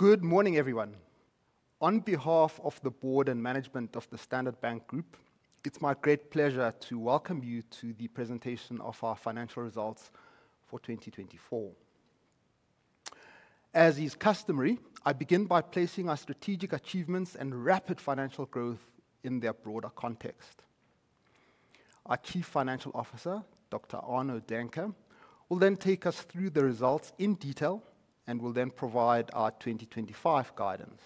Good morning, everyone. On behalf of the ard and management of the Standard Bank Group, it's my great pleasure to welcome you to the presentation of our financial results for 2024. As is customary, I begin by placing our strategic achievements and rapid financial growth in their broader context. Our Chief Financial Officer, Dr. Arno Daehnke, will then take us through the results in detail and will then provide our 2025 guidance.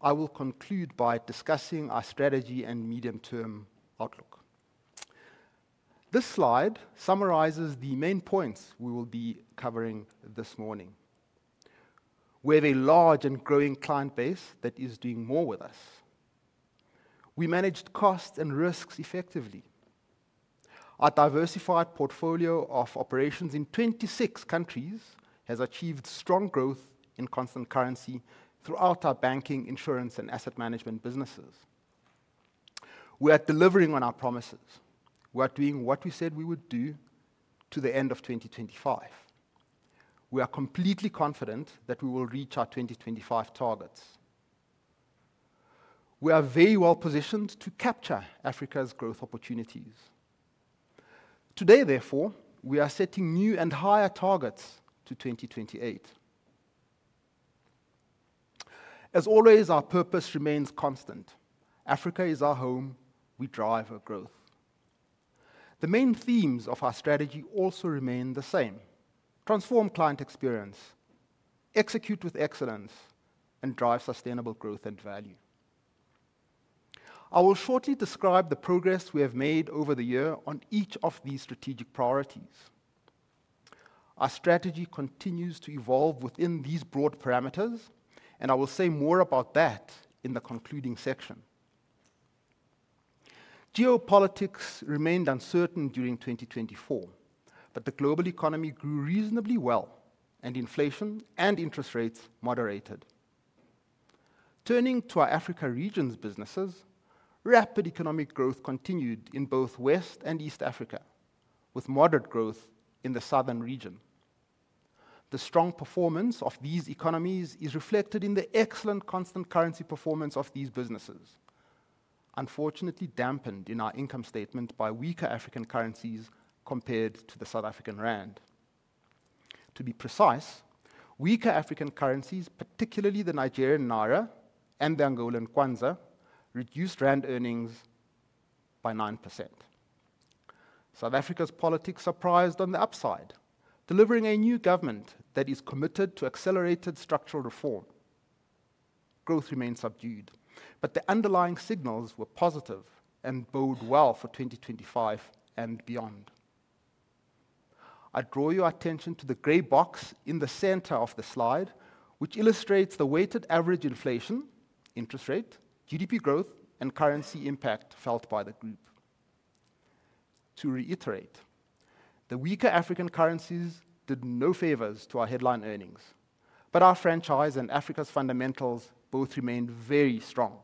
I will conclude by discussing our strategy and medium-term outlook. This slide summarizes the main points we will be covering this morning. We have a large and growing client base that is doing more with us. We managed costs and risks effectively. Our diversified portfolio of operations in 26 countries has achieved strong growth in constant currency throughout our banking, insurance, and asset management businesses. We are delivering on our promises. We are doing what we said we would do to the end of 2025. We are completely confident that we will reach our 2025 targets. We are very well positioned to capture Africa's growth opportunities. Today, therefore, we are setting new and higher targets to 2028. As always, our purpose remains constant. Africa is our home. We drive our growth. The main themes of our strategy also remain the same: transform client experience, execute with excellence, and drive sustainable growth and value. I will shortly describe the progress we have made over the year on each of these strategic priorities. Our strategy continues to evolve within these broad parameters, and I will say more about that in the concluding section. Geopolitics remained uncertain during 2024, but the global economy grew reasonably well, and inflation and interest rates moderated. Turning to our Africa region's businesses, rapid economic growth continued in both West and East Africa, with moderate growth in the southern region. The strong performance of these economies is reflected in the excellent constant currency performance of these businesses, unfortunately dampened in our income statement by weaker African currencies compared to the South African rand. To be precise, weaker African currencies, particularly the Nigerian Naira and the Angolan Kwanza, reduced rand earnings by 9%. South Africa's politics surprised on the upside, delivering a new government that is committed to accelerated structural reform. Growth remained subdued, but the underlying signals were positive and bode well for 2025 and beyond. I draw your attention to the gray box in the center of the slide, which illustrates the weighted average inflation, interest rate, GDP growth, and currency impact felt by the group. To reiterate, the weaker African currencies did no favors to our headline earnings, but our franchise and Africa's fundamentals both remained very strong.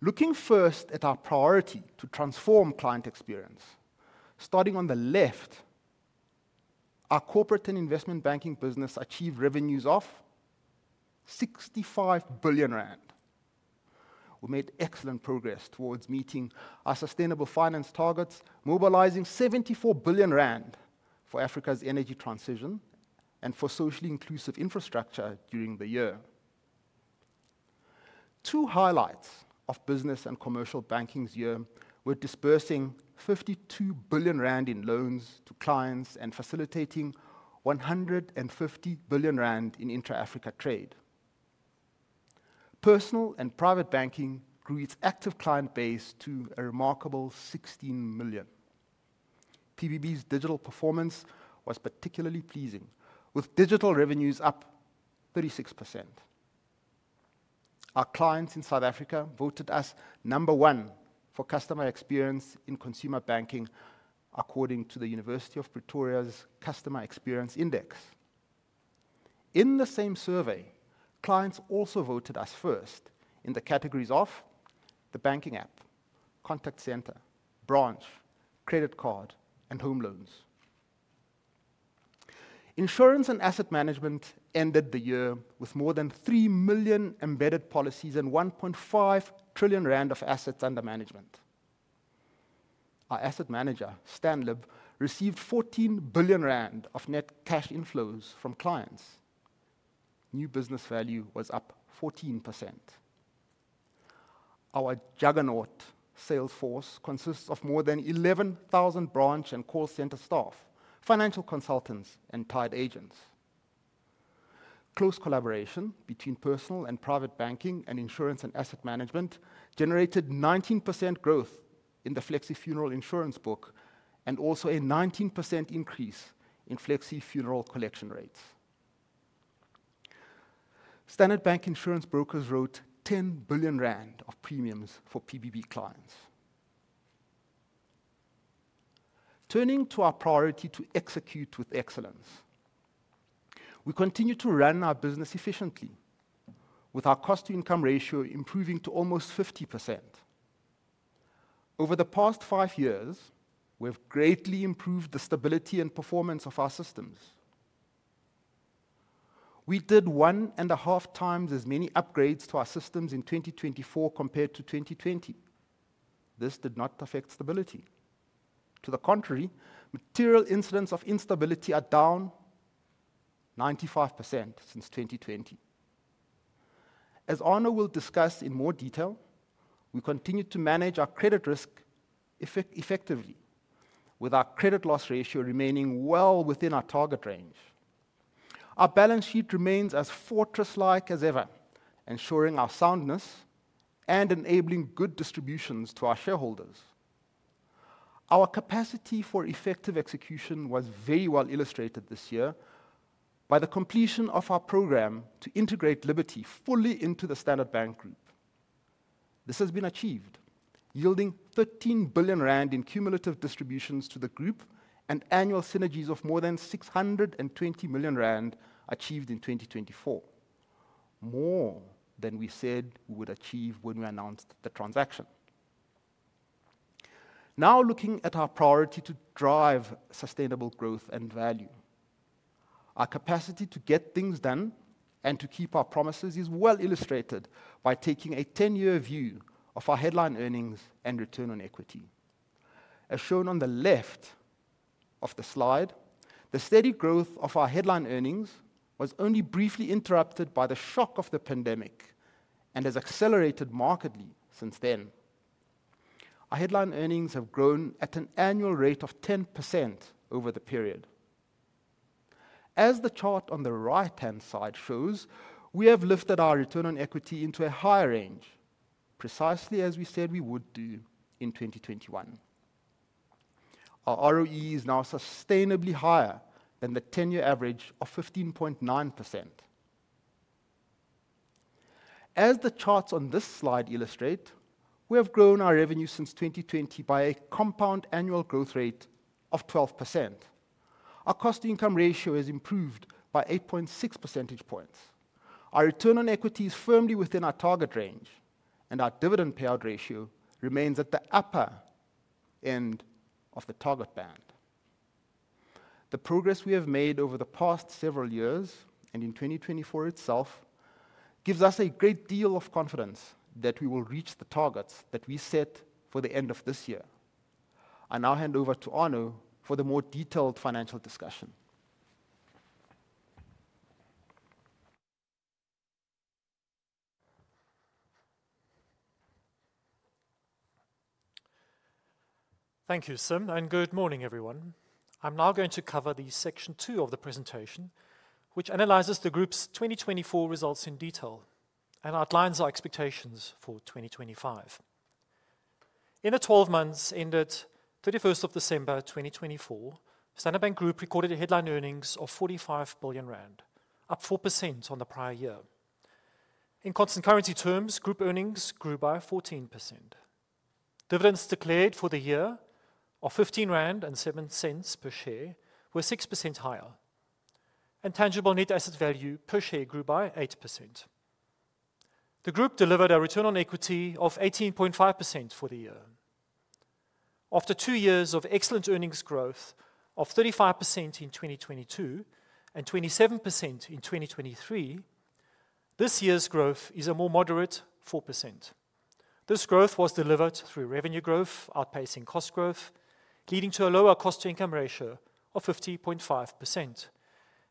Looking first at our priority to transform client experience, starting on the left, our corporate and investment banking business achieved revenues of 65 billion rand. We made excellent progress towards meeting our sustainable finance targets, mobilizing 74 billion rand for Africa's energy transition and for socially inclusive infrastructure during the year. Two highlights of business and commercial banking's year were dispersing 52 billion rand in loans to clients and facilitating 150 billion rand in intra-African trade. Personal and private banking grew its active client base to a remarkable 16 million. PBB's digital performance was particularly pleasing, with digital revenues up 36%. Our clients in South Africa voted us number one for customer experience in consumer banking, according to the University of Pretoria's Customer Experience Index. In the same survey, clients also voted us first in the categories of the banking app, contact center, branch, credit card, and home loans. Insurance and asset management ended the year with more than 3 million embedded policies and 1.5 trillion rand of assets under management. Our asset manager, Stan Lib, received 14 billion rand of net cash inflows from clients. New business value was up 14%. Our juggernaut sales force consists of more than 11,000 branch and call center staff, financial consultants, and tied agents. Close collaboration between personal and private banking and insurance and asset management generated 19% growth in the FlexiFuneral insurance book and also a 19% increase in FlexiFuneral collection rates. Standard Bank Insurance Brokers wrote 10 billion rand of premiums for PBB clients. Turning to our priority to execute with excellence, we continue to run our business efficiently, with our cost-to-income ratio improving to almost 50%. Over the past five years, we have greatly improved the stability and performance of our systems. We did one and a half times as many upgrades to our systems in 2024 compared to 2020. This did not affect stability. To the contrary, material incidents of instability are down 95% since 2020. As Arno will discuss in more detail, we continue to manage our credit risk effectively, with our credit loss ratio remaining well within our target range. Our balance sheet remains as fortress-like as ever, ensuring our soundness and enabling good distributions to our shareholders. Our capacity for effective execution was very well illustrated this year by the completion of our program to integrate Liberty fully into the Standard Bank Group. This has been achieved, yielding 13 billion rand in cumulative distributions to the group and annual synergies of more than 620 million rand achieved in 2024, more than we said we would achieve when we announced the transaction. Now looking at our priority to drive sustainable growth and value, our capacity to get things done and to keep our promises is well illustrated by taking a 10-year view of our headline earnings and return on equity. As shown on the left of the slide, the steady growth of our headline earnings was only briefly interrupted by the shock of the pandemic and has accelerated markedly since then. Our headline earnings have grown at an annual rate of 10% over the period. As the chart on the right-hand side shows, we have lifted our return on equity into a higher range, precisely as we said we would do in 2021. Our ROE is now sustainably higher than the 10-year average of 15.9%. As the charts on this slide illustrate, we have grown our revenue since 2020 by a compound annual growth rate of 12%. Our cost-to-income ratio has improved by 8.6 percentage points. Our return on equity is firmly within our target range, and our dividend payout ratio remains at the upper end of the target band. The progress we have made over the past several years and in 2024 itself gives us a great deal of confidence that we will reach the targets that we set for the end of this year. I now hand over to Arno for the more detailed financial discussion. Thank you, Sim, and good morning, everyone. I'm now going to cover the section two of the presentation, which analyzes the group's 2024 results in detail and outlines our expectations for 2025. In the 12 months ended 31st of December 2024, Standard Bank Group recorded headline earnings of 45 billion rand, up 4% on the prior year. In constant currency terms, group earnings grew by 14%. Dividends declared for the year of 15.07 rand per share were 6% higher, and tangible net asset value per share grew by 8%. The group delivered a return on equity of 18.5% for the year. After two years of excellent earnings growth of 35% in 2022 and 27% in 2023, this year's growth is a more moderate 4%. This growth was delivered through revenue growth outpacing cost growth, leading to a lower cost-to-income ratio of 50.5%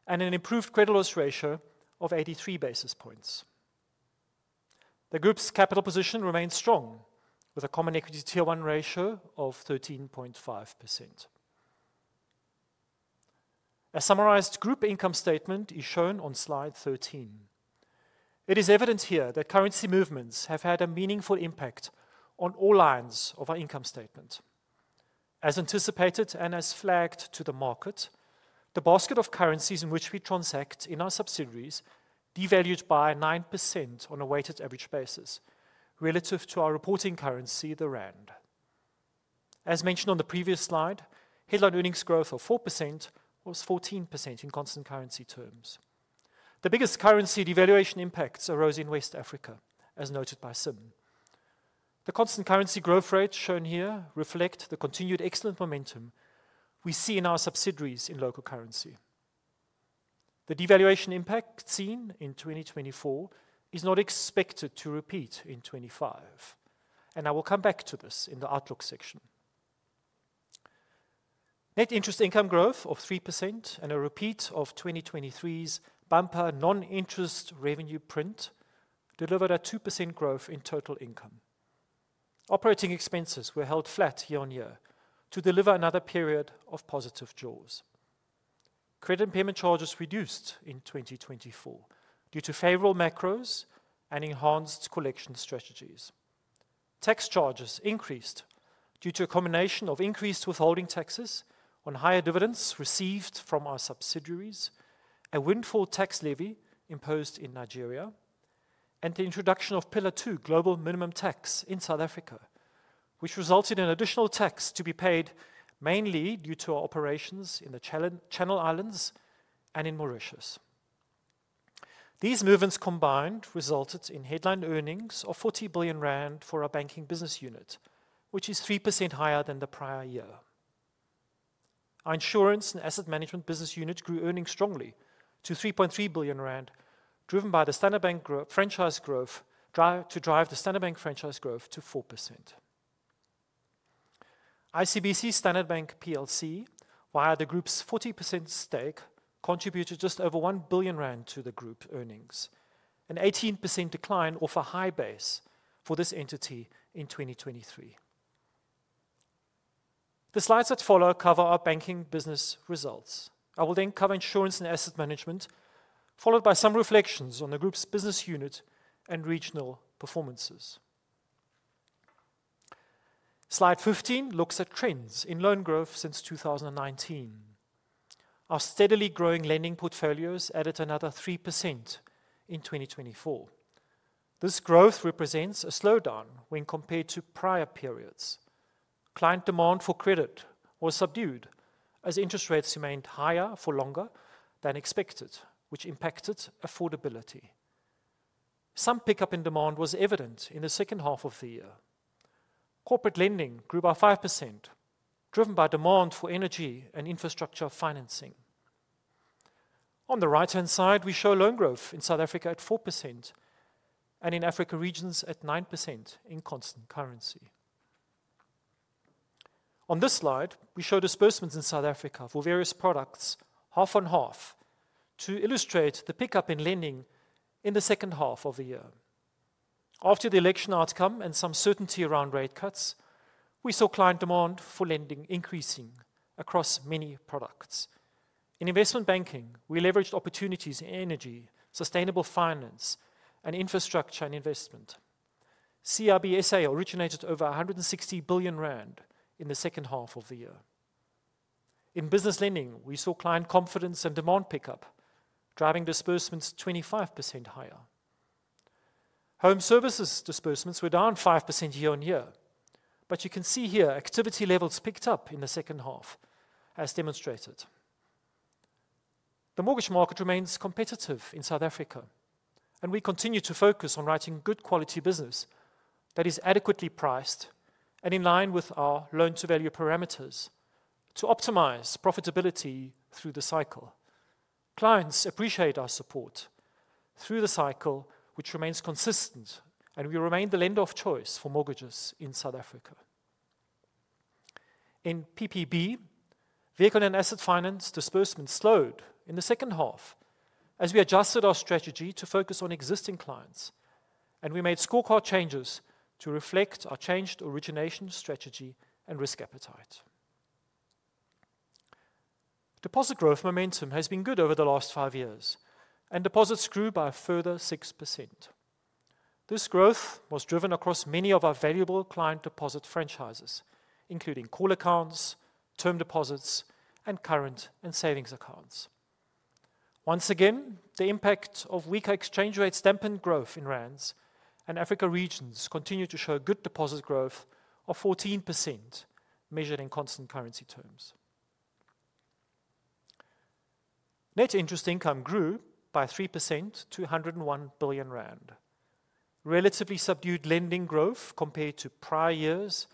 and an improved credit loss ratio of 83 basis points. The group's capital position remains strong, with a common equity tier one ratio of 13.5%. A summarized group income statement is shown on slide 13. It is evident here that currency movements have had a meaningful impact on all lines of our income statement. As anticipated and as flagged to the market, the basket of currencies in which we transact in our subsidiaries devalued by 9% on a weighted average basis relative to our reporting currency, the rand. As mentioned on the previous slide, headline earnings growth of 4% was 14% in constant currency terms. The biggest currency devaluation impacts arose in West Africa, as noted by Sim. The constant currency growth rates shown here reflect the continued excellent momentum we see in our subsidiaries in local currency. The devaluation impact seen in 2024 is not expected to repeat in 2025, and I will come back to this in the outlook section. Net interest income growth of 3% and a repeat of 2023's bumper non-interest revenue print delivered a 2% growth in total income. Operating expenses were held flat year on year to deliver another period of positive jaws. Credit and payment charges reduced in 2024 due to favorable macros and enhanced collection strategies. Tax charges increased due to a combination of increased withholding taxes on higher dividends received from our subsidiaries, a windfall tax levy imposed in Nigeria, and the introduction of pillar two global minimum tax in South Africa, which resulted in additional tax to be paid mainly due to our operations in the Channel Islands and in Mauritius. These movements combined resulted in headline earnings of 40 billion rand for our banking business unit, which is 3% higher than the prior year. Our insurance and asset management business unit grew earnings strongly to 3.3 billion rand, driven by the Standard Bank franchise growth to drive the Standard Bank franchise growth to 4%. ICBC Standard Bank PLC, via the group's 40% stake, contributed just over 1 billion rand to the group earnings, an 18% decline off a high base for this entity in 2023. The slides that follow cover our banking business results. I will then cover insurance and asset management, followed by some reflections on the group's business unit and regional performances. Slide 15 looks at trends in loan growth since 2019. Our steadily growing lending portfolios added another 3% in 2024. This growth represents a slowdown when compared to prior periods. Client demand for credit was subdued as interest rates remained higher for longer than expected, which impacted affordability. Some pickup in demand was evident in the second half of the year. Corporate lending grew by 5%, driven by demand for energy and infrastructure financing. On the right-hand side, we show loan growth in South Africa at 4% and in Africa regions at 9% in constant currency. On this slide, we show disbursements in South Africa for various products half on half to illustrate the pickup in lending in the second half of the year. After the election outcome and some certainty around rate cuts, we saw client demand for lending increasing across many products. In investment banking, we leveraged opportunities in energy, sustainable finance, and infrastructure and investment. CRBSA originated over 160 billion rand in the second half of the year. In business lending, we saw client confidence and demand pickup, driving disbursements 25% higher. Home services disbursements were down 5% year on year, but you can see here activity levels picked up in the second half, as demonstrated. The mortgage market remains competitive in South Africa, and we continue to focus on writing good quality business that is adequately priced and in line with our loan-to-value parameters to optimize profitability through the cycle. Clients appreciate our support through the cycle, which remains consistent, and we remain the lend-off choice for mortgages in South Africa. In PPB, vehicle and asset finance disbursements slowed in the second half as we adjusted our strategy to focus on existing clients, and we made scorecard changes to reflect our changed origination strategy and risk appetite. Deposit growth momentum has been good over the last five years, and deposits grew by a further 6%. This growth was driven across many of our valuable client deposit franchises, including call accounts, term deposits, and current and savings accounts. Once again, the impact of weaker exchange rates dampened growth in ZAR, and Africa regions continue to show good deposit growth of 14% measured in constant currency terms. Net interest income grew by 3% to 101 billion rand, relatively subdued lending growth compared to prior years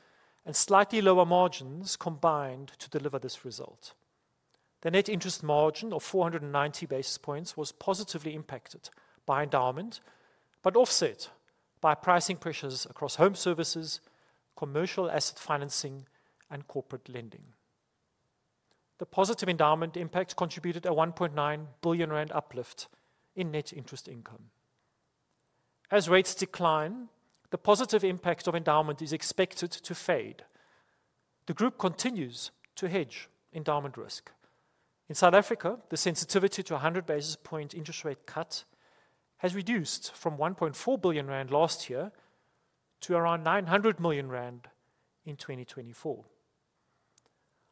and slightly lower margins combined to deliver this result. The net interest margin of 490 basis points was positively impacted by endowment, but offset by pricing pressures across home services, commercial asset financing, and corporate lending. The positive endowment impact contributed a 1.9 billion rand uplift in net interest income. As rates decline, the positive impact of endowment is expected to fade. The group continues to hedge endowment risk. In South Africa, the sensitivity to a 100 basis point interest rate cut has reduced from 1.4 billion rand last year to around 900 million rand in 2024.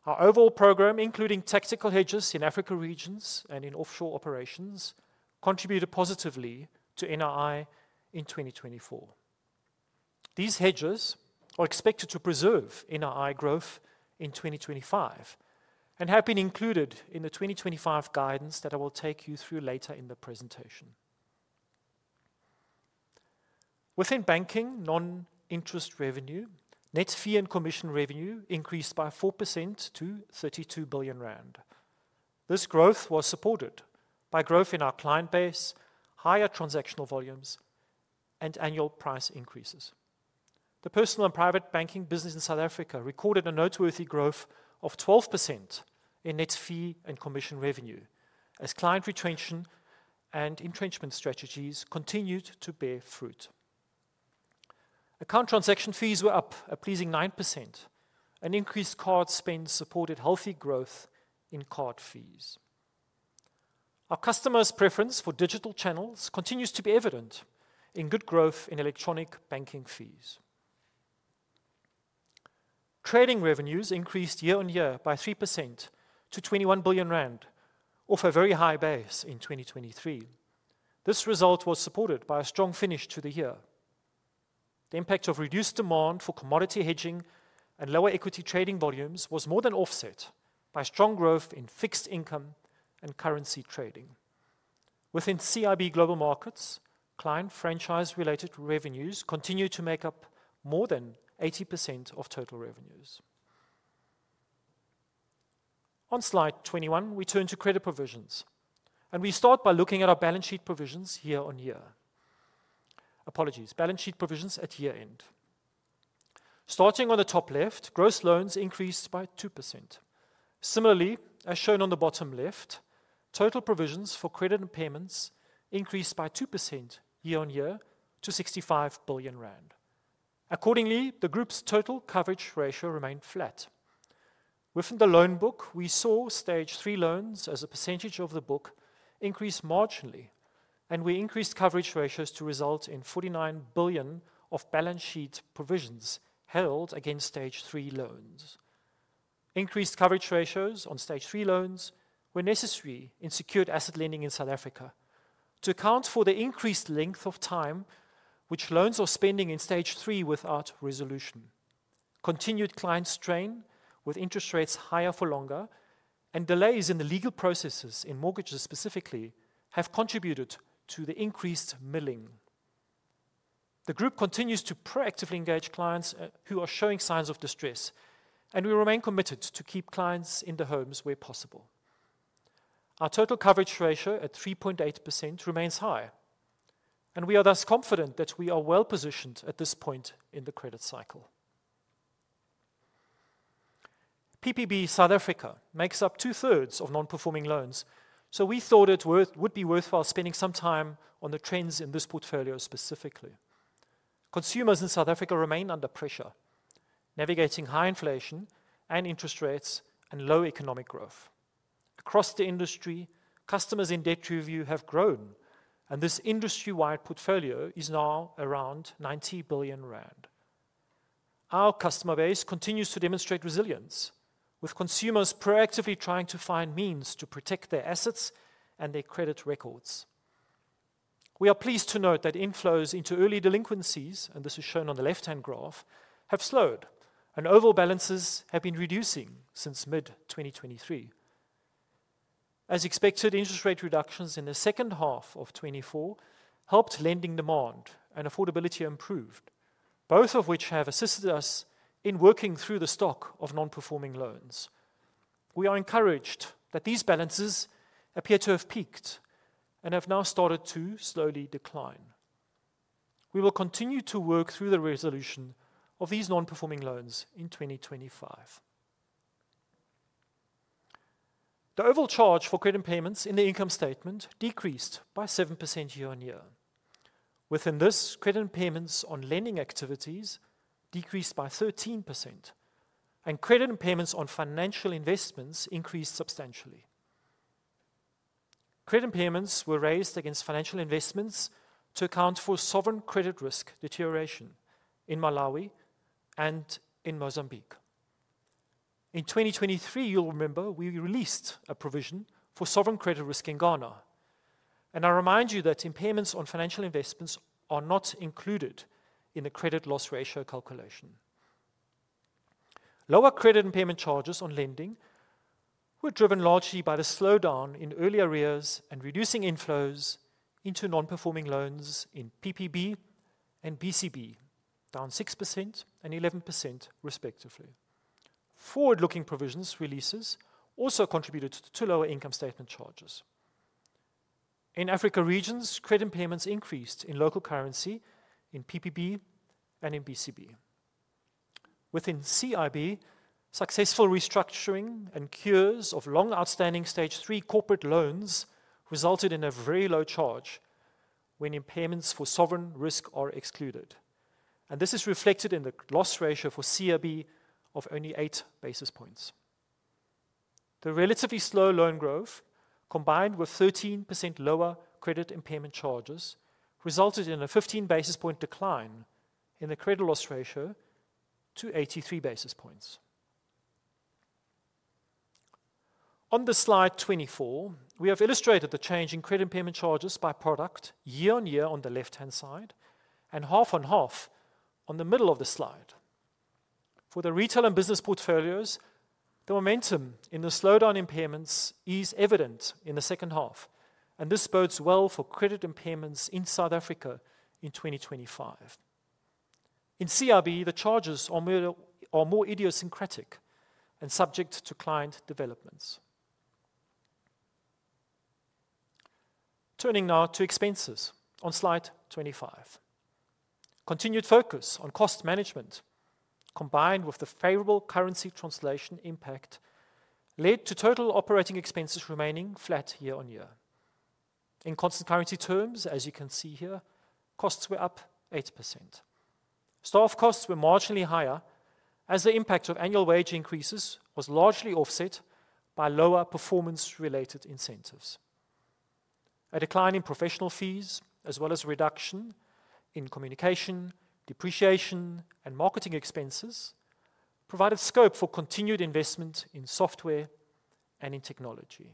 Our overall program, including tactical hedges in Africa regions and in offshore operations, contributed positively to NRI in 2024. These hedges are expected to preserve NRI growth in 2025 and have been included in the 2025 guidance that I will take you through later in the presentation. Within banking, non-interest revenue, net fee and commission revenue increased by 4% to 32 billion rand. This growth was supported by growth in our client base, higher transactional volumes, and annual price increases. The personal and private banking business in South Africa recorded a noteworthy growth of 12% in net fee and commission revenue as client retention and entrenchment strategies continued to bear fruit. Account transaction fees were up a pleasing 9%, and increased card spend supported healthy growth in card fees. Our customers' preference for digital channels continues to be evident in good growth in electronic banking fees. Trading revenues increased year on year by 3% to 21 billion rand, off a very high base in 2023. This result was supported by a strong finish to the year. The impact of reduced demand for commodity hedging and lower equity trading volumes was more than offset by strong growth in fixed income and currency trading. Within CIB Global Markets, client franchise-related revenues continue to make up more than 80% of total revenues. On slide 21, we turn to credit provisions, and we start by looking at our balance sheet provisions year on year. Apologies, balance sheet provisions at year end. Starting on the top left, gross loans increased by 2%. Similarly, as shown on the bottom left, total provisions for credit and payments increased by 2% year on year to 65 billion rand. Accordingly, the group's total coverage ratio remained flat. Within the loan book, we saw stage three loans as a percentage of the book increase marginally, and we increased coverage ratios to result in 49 billion of balance sheet provisions held against stage three loans. Increased coverage ratios on stage three loans were necessary in secured asset lending in South Africa to account for the increased length of time which loans are spending in stage three without resolution. Continued client strain with interest rates higher for longer and delays in the legal processes in mortgages specifically have contributed to the increased milling. The group continues to proactively engage clients who are showing signs of distress, and we remain committed to keep clients in the homes where possible. Our total coverage ratio at 3.8% remains high, and we are thus confident that we are well positioned at this point in the credit cycle. PPB South Africa makes up two-thirds of non-performing loans, so we thought it would be worthwhile spending some time on the trends in this portfolio specifically. Consumers in South Africa remain under pressure, navigating high inflation and interest rates and low economic growth. Across the industry, customers in debt review have grown, and this industry-wide portfolio is now around 90 billion rand. Our customer base continues to demonstrate resilience, with consumers proactively trying to find means to protect their assets and their credit records. We are pleased to note that inflows into early delinquencies, and this is shown on the left-hand graph, have slowed, and overall balances have been reducing since mid-2023. As expected, interest rate reductions in the second half of 2024 helped lending demand and affordability improved, both of which have assisted us in working through the stock of non-performing loans. We are encouraged that these balances appear to have peaked and have now started to slowly decline. We will continue to work through the resolution of these non-performing loans in 2025. The overall charge for credit and payments in the income statement decreased by 7% year on year. Within this, credit and payments on lending activities decreased by 13%, and credit and payments on financial investments increased substantially. Credit and payments were raised against financial investments to account for sovereign credit risk deterioration in Malawi and in Mozambique. In 2023, you'll remember we released a provision for sovereign credit risk in Ghana, and I remind you that impairments on financial investments are not included in the credit loss ratio calculation. Lower credit and payment charges on lending were driven largely by the slowdown in earlier years and reducing inflows into non-performing loans in PPB and BCB, down 6% and 11% respectively. Forward-looking provisions releases also contributed to lower income statement charges. In Africa regions, credit and payments increased in local currency in PPB and in BCB. Within CIB, successful restructuring and cures of long-outstanding stage three corporate loans resulted in a very low charge when impairments for sovereign risk are excluded, and this is reflected in the loss ratio for CIB of only eight basis points. The relatively slow loan growth, combined with 13% lower credit impairment charges, resulted in a 15 basis point decline in the credit loss ratio to 83 basis points. On slide 24, we have illustrated the change in credit impairments charges by product year on year on the left-hand side and half on half in the middle of the slide. For the retail and business portfolios, the momentum in the slowdown in impairments is evident in the second half, and this bodes well for credit impairments in South Africa in 2025. In CIB, the charges are more idiosyncratic and subject to client developments. Turning now to expenses on slide 25, continued focus on cost management combined with the favorable currency translation impact led to total operating expenses remaining flat year on year. In constant currency terms, as you can see here, costs were up 8%. Staff costs were marginally higher as the impact of annual wage increases was largely offset by lower performance-related incentives. A decline in professional fees, as well as a reduction in communication, depreciation, and marketing expenses, provided scope for continued investment in software and in technology.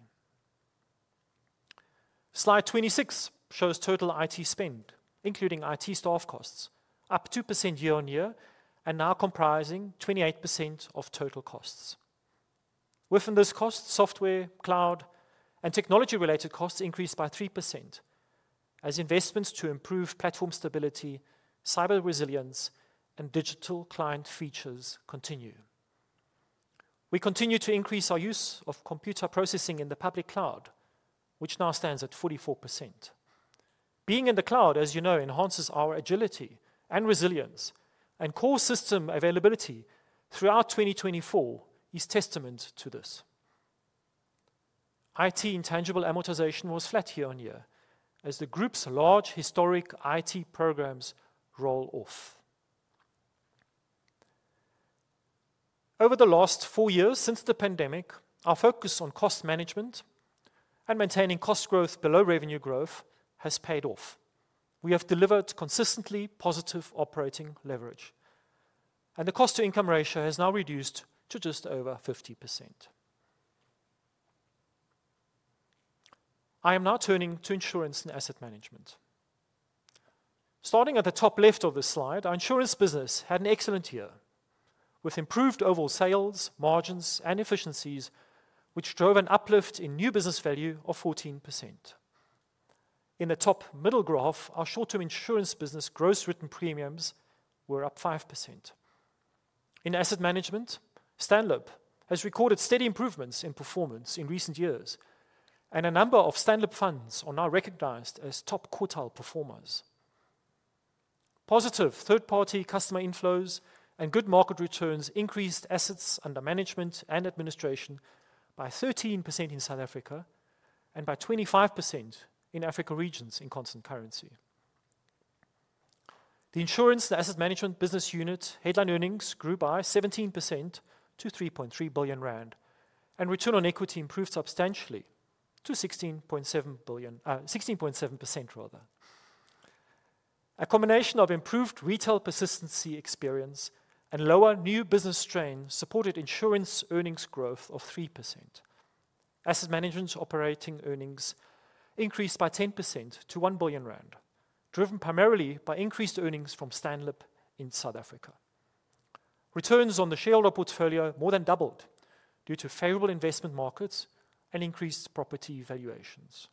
Slide 26 shows total IT spend, including IT staff costs, up 2% year on year and now comprising 28% of total costs. Within this cost, software, cloud, and technology-related costs increased by 3% as investments to improve platform stability, cyber resilience, and digital client features continue. We continue to increase our use of computer processing in the public cloud, which now stands at 44%. Being in the cloud, as you know, enhances our agility and resilience, and core system availability throughout 2024 is testament to this. IT intangible amortization was flat year on year as the group's large historic IT programs roll off. Over the last four years since the pandemic, our focus on cost management and maintaining cost growth below revenue growth has paid off. We have delivered consistently positive operating leverage, and the cost-to-income ratio has now reduced to just over 50%. I am now turning to insurance and asset management. Starting at the top left of the slide, our insurance business had an excellent year with improved overall sales, margins, and efficiencies, which drove an uplift in new business value of 14%. In the top middle graph, our short-term insurance business gross written premiums were up 5%. In asset management, Standard has recorded steady improvements in performance in recent years, and a number of Standard funds are now recognized as top quartile performers. Positive third-party customer inflows and good market returns increased assets under management and administration by 13% in South Africa and by 25% in Africa regions in constant currency. The insurance and asset management business unit headline earnings grew by 17% to 3.3 billion rand, and return on equity improved substantially to 16.7%, rather. A combination of improved retail persistency experience and lower new business strain supported insurance earnings growth of 3%. Asset management operating earnings increased by 10% to 1 billion rand, driven primarily by increased earnings from Standard Bank in South Africa. Returns on the shareholder portfolio more than doubled due to favorable investment markets and increased property valuations.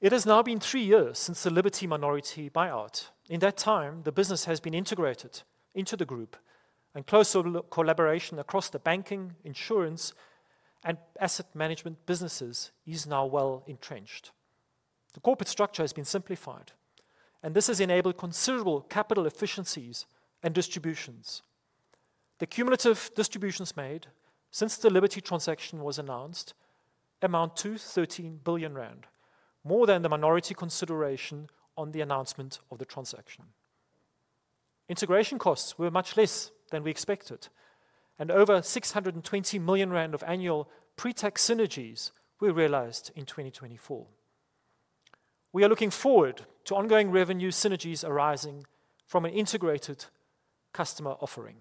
It has now been three years since the Liberty Minority Buyout. In that time, the business has been integrated into the group, and closer collaboration across the banking, insurance, and asset management businesses is now well entrenched. The corporate structure has been simplified, and this has enabled considerable capital efficiencies and distributions. The cumulative distributions made since the Liberty transaction was announced amount to 13 billion rand, more than the minority consideration on the announcement of the transaction. Integration costs were much less than we expected, and over 620 million rand of annual pre-tax synergies were realized in 2024. We are looking forward to ongoing revenue synergies arising from an integrated customer offering.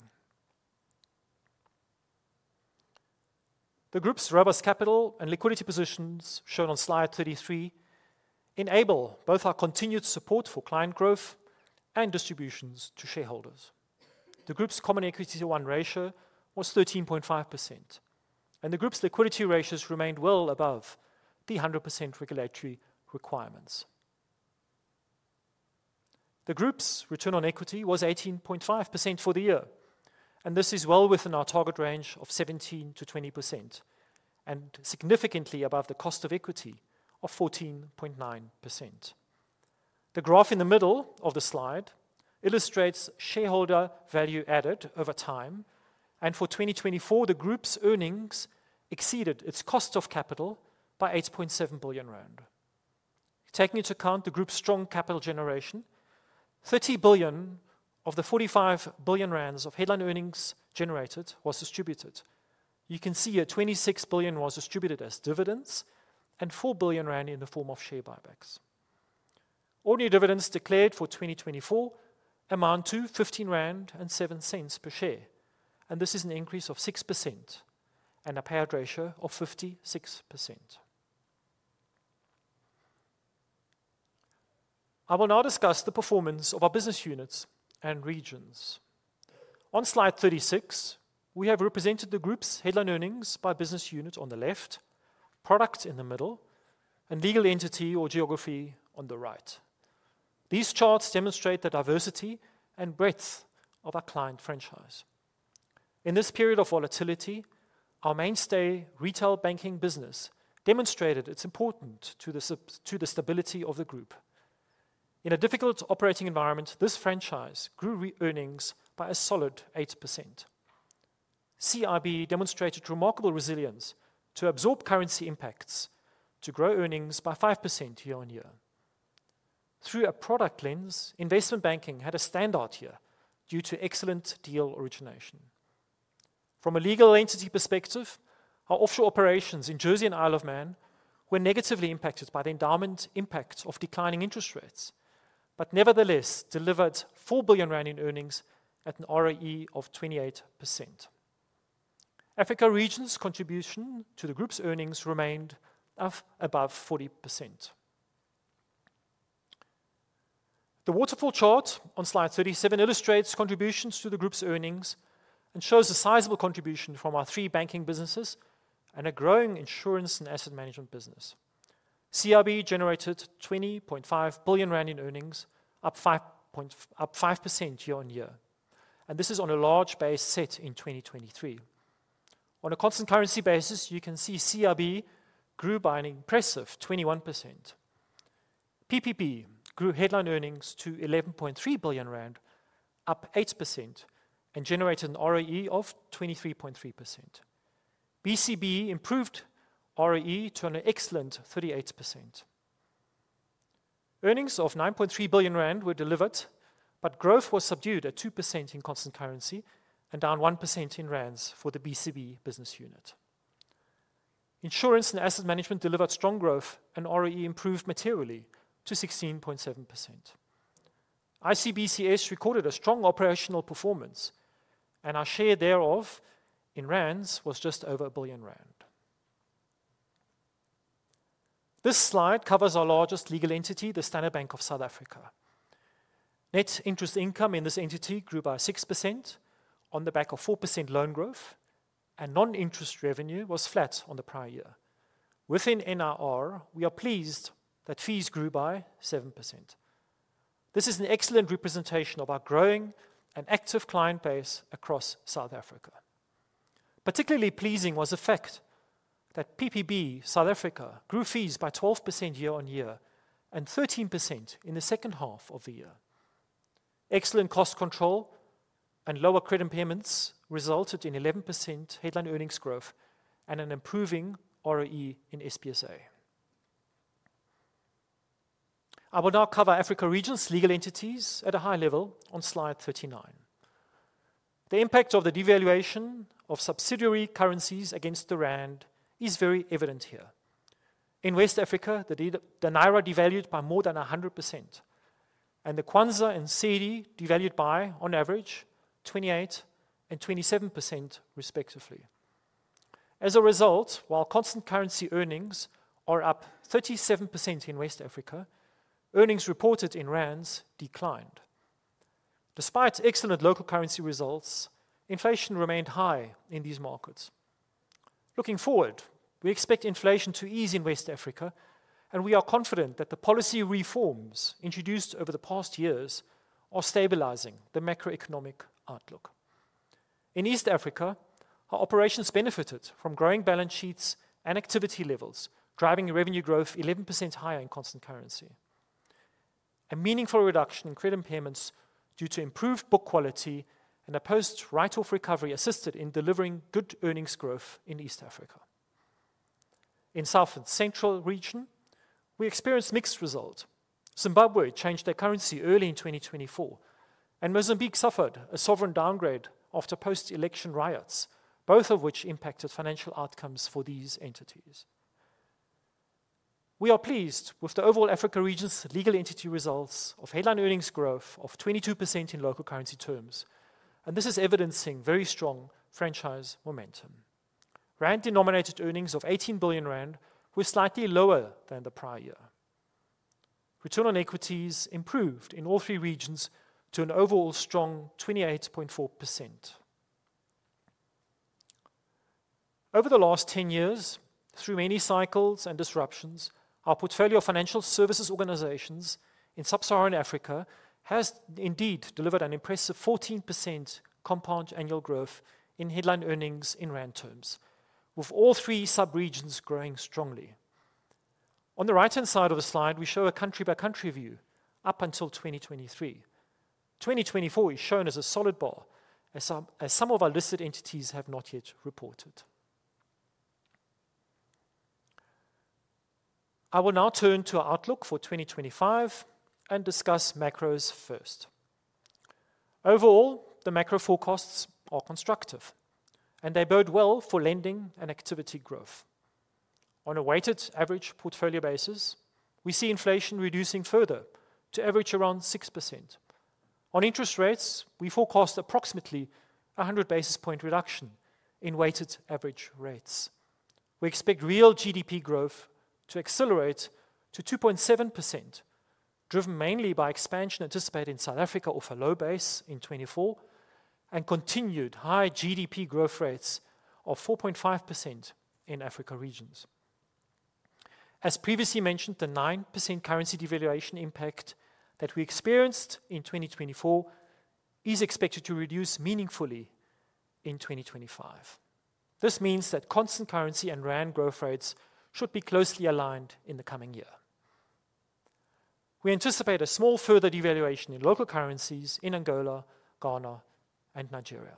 The group's robust capital and liquidity positions shown on slide 33 enable both our continued support for client growth and distributions to shareholders. The group's common equity tier one ratio was 13.5%, and the group's liquidity ratios remained well above the 100% regulatory requirements. The group's return on equity was 18.5% for the year, and this is well within our target range of 17%-20% and significantly above the cost of equity of 14.9%. The graph in the middle of the slide illustrates shareholder value added over time, and for 2024, the group's earnings exceeded its cost of capital by 8.7 billion rand. Taking into account the group's strong capital generation, 30 billion of the 45 billion rand of headline earnings generated was distributed. You can see here 26 billion was distributed as dividends and 4 billion rand in the form of share buybacks. Ordinary dividends declared for 2024 amount to 15.07 rand per share, and this is an increase of 6% and a payout ratio of 56%. I will now discuss the performance of our business units and regions. On slide 36, we have represented the group's headline earnings by business unit on the left, product in the middle, and legal entity or geography on the right. These charts demonstrate the diversity and breadth of our client franchise. In this period of volatility, our mainstay retail banking business demonstrated its importance to the stability of the group. In a difficult operating environment, this franchise grew earnings by a solid 8%. CIB demonstrated remarkable resilience to absorb currency impacts to grow earnings by 5% year on year. Through a product lens, investment banking had a standout year due to excellent deal origination. From a legal entity perspective, our offshore operations in Jersey and Isle of Man were negatively impacted by the endowment impact of declining interest rates, but nevertheless delivered 4 billion rand in earnings at an ROE of 28%. Africa region's contribution to the group's earnings remained above 40%. The waterfall chart on slide 37 illustrates contributions to the group's earnings and shows a sizable contribution from our three banking businesses and a growing insurance and asset management business. CIB generated ZAR 20.5 billion in earnings, up 5% year on year, and this is on a large base set in 2023. On a constant currency basis, you can see CIB grew by an impressive 21%. PPB grew headline earnings to 11.3 billion rand, up 8%, and generated an ROE of 23.3%. BCB improved ROE to an excellent 38%. Earnings of 9.3 billion rand were delivered, but growth was subdued at 2% in constant currency and down 1% in rands for the BCB business unit. Insurance and asset management delivered strong growth and ROE improved materially to 16.7%. ICBCS recorded a strong operational performance, and our share thereof in rands was just over 1 billion rand. This slide covers our largest legal entity, the Standard Bank of South Africa. Net interest income in this entity grew by 6% on the back of 4% loan growth, and non-interest revenue was flat on the prior year. Within NRR, we are pleased that fees grew by 7%. This is an excellent representation of our growing and active client base across South Africa. Particularly pleasing was the fact that PPB South Africa grew fees by 12% year on year and 13% in the second half of the year. Excellent cost control and lower credit payments resulted in 11% headline earnings growth and an improving ROE in SBSA. I will now cover Africa region's legal entities at a high level on slide 39. The impact of the devaluation of subsidiary currencies against the rand is very evident here. In West Africa, the Naira devalued by more than 100%, and the Kwanza and Leone devalued by, on average, 28% and 27% respectively. As a result, while constant currency earnings are up 37% in West Africa, earnings reported in ZAR declined. Despite excellent local currency results, inflation remained high in these markets. Looking forward, we expect inflation to ease in West Africa, and we are confident that the policy reforms introduced over the past years are stabilizing the macroeconomic outlook. In East Africa, our operations benefited from growing balance sheets and activity levels, driving revenue growth 11% higher in constant currency. A meaningful reduction in credit impairments due to improved book quality and a post-write-off recovery assisted in delivering good earnings growth in East Africa. In South and Central region, we experienced mixed results. Zimbabwe changed their currency early in 2024, and Mozambique suffered a sovereign downgrade after post-election riots, both of which impacted financial outcomes for these entities. We are pleased with the overall Africa region's legal entity results of headline earnings growth of 22% in local currency terms, and this is evidencing very strong franchise momentum. 18 billion rand earnings were slightly lower than the prior year. Return on equities improved in all three regions to an overall strong 28.4%. Over the last 10 years, through many cycles and disruptions, our portfolio of financial services organizations in sub-Saharan Africa has indeed delivered an impressive 14% compound annual growth in headline earnings in rand terms, with all three sub-regions growing strongly. On the right-hand side of the slide, we show a country-by-country view up until 2023. 2024 is shown as a solid bar, as some of our listed entities have not yet reported. I will now turn to our outlook for 2025 and discuss macros first. Overall, the macro forecasts are constructive, and they bode well for lending and activity growth. On a weighted average portfolio basis, we see inflation reducing further to average around 6%. On interest rates, we forecast approximately a 100 basis point reduction in weighted average rates. We expect real GDP growth to accelerate to 2.7%, driven mainly by expansion anticipated in South Africa off a low base in 2024 and continued high GDP growth rates of 4.5% in Africa regions. As previously mentioned, the 9% currency devaluation impact that we experienced in 2024 is expected to reduce meaningfully in 2025. This means that constant currency and rand growth rates should be closely aligned in the coming year. We anticipate a small further devaluation in local currencies in Angola, Ghana, and Nigeria.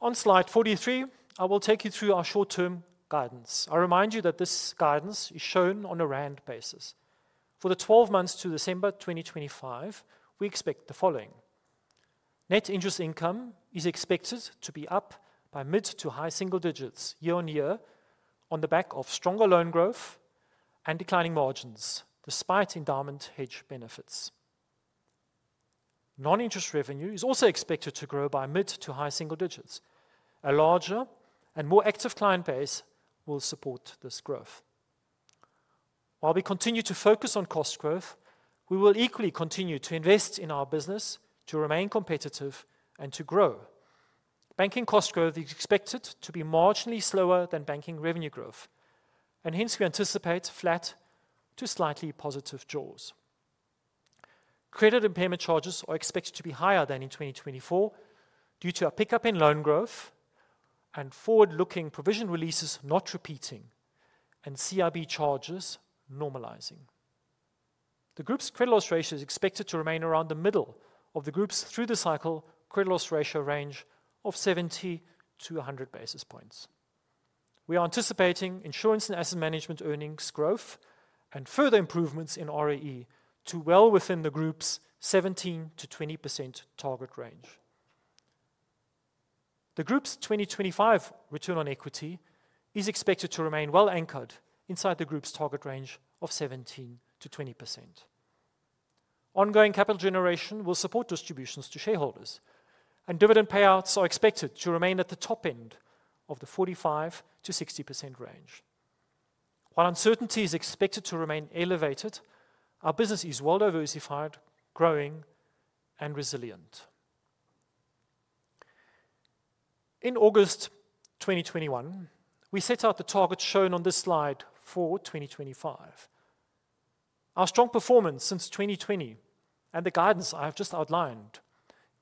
On slide 43, I will take you through our short-term guidance. I remind you that this guidance is shown on a rand basis. For the 12 months to December 2025, we expect the following. Net interest income is expected to be up by mid to high single digits year on year on the back of stronger loan growth and declining margins despite endowment hedge benefits. Non-interest revenue is also expected to grow by mid to high single digits. A larger and more active client base will support this growth. While we continue to focus on cost growth, we will equally continue to invest in our business to remain competitive and to grow. Banking cost growth is expected to be marginally slower than banking revenue growth, and hence we anticipate flat to slightly positive jaws. Credit impairment charges are expected to be higher than in 2024 due to a pickup in loan growth and forward-looking provision releases not repeating and CIB charges normalizing. The group's credit loss ratio is expected to remain around the middle of the group's through-the-cycle credit loss ratio range of 70-100 basis points. We are anticipating insurance and asset management earnings growth and further improvements in ROE to well within the group's 17-20% target range. The group's 2025 return on equity is expected to remain well anchored inside the group's target range of 17-20%. Ongoing capital generation will support distributions to shareholders, and dividend payouts are expected to remain at the top end of the 45-60% range. While uncertainty is expected to remain elevated, our business is well diversified, growing, and resilient. In August 2021, we set out the targets shown on this slide for 2025. Our strong performance since 2020 and the guidance I have just outlined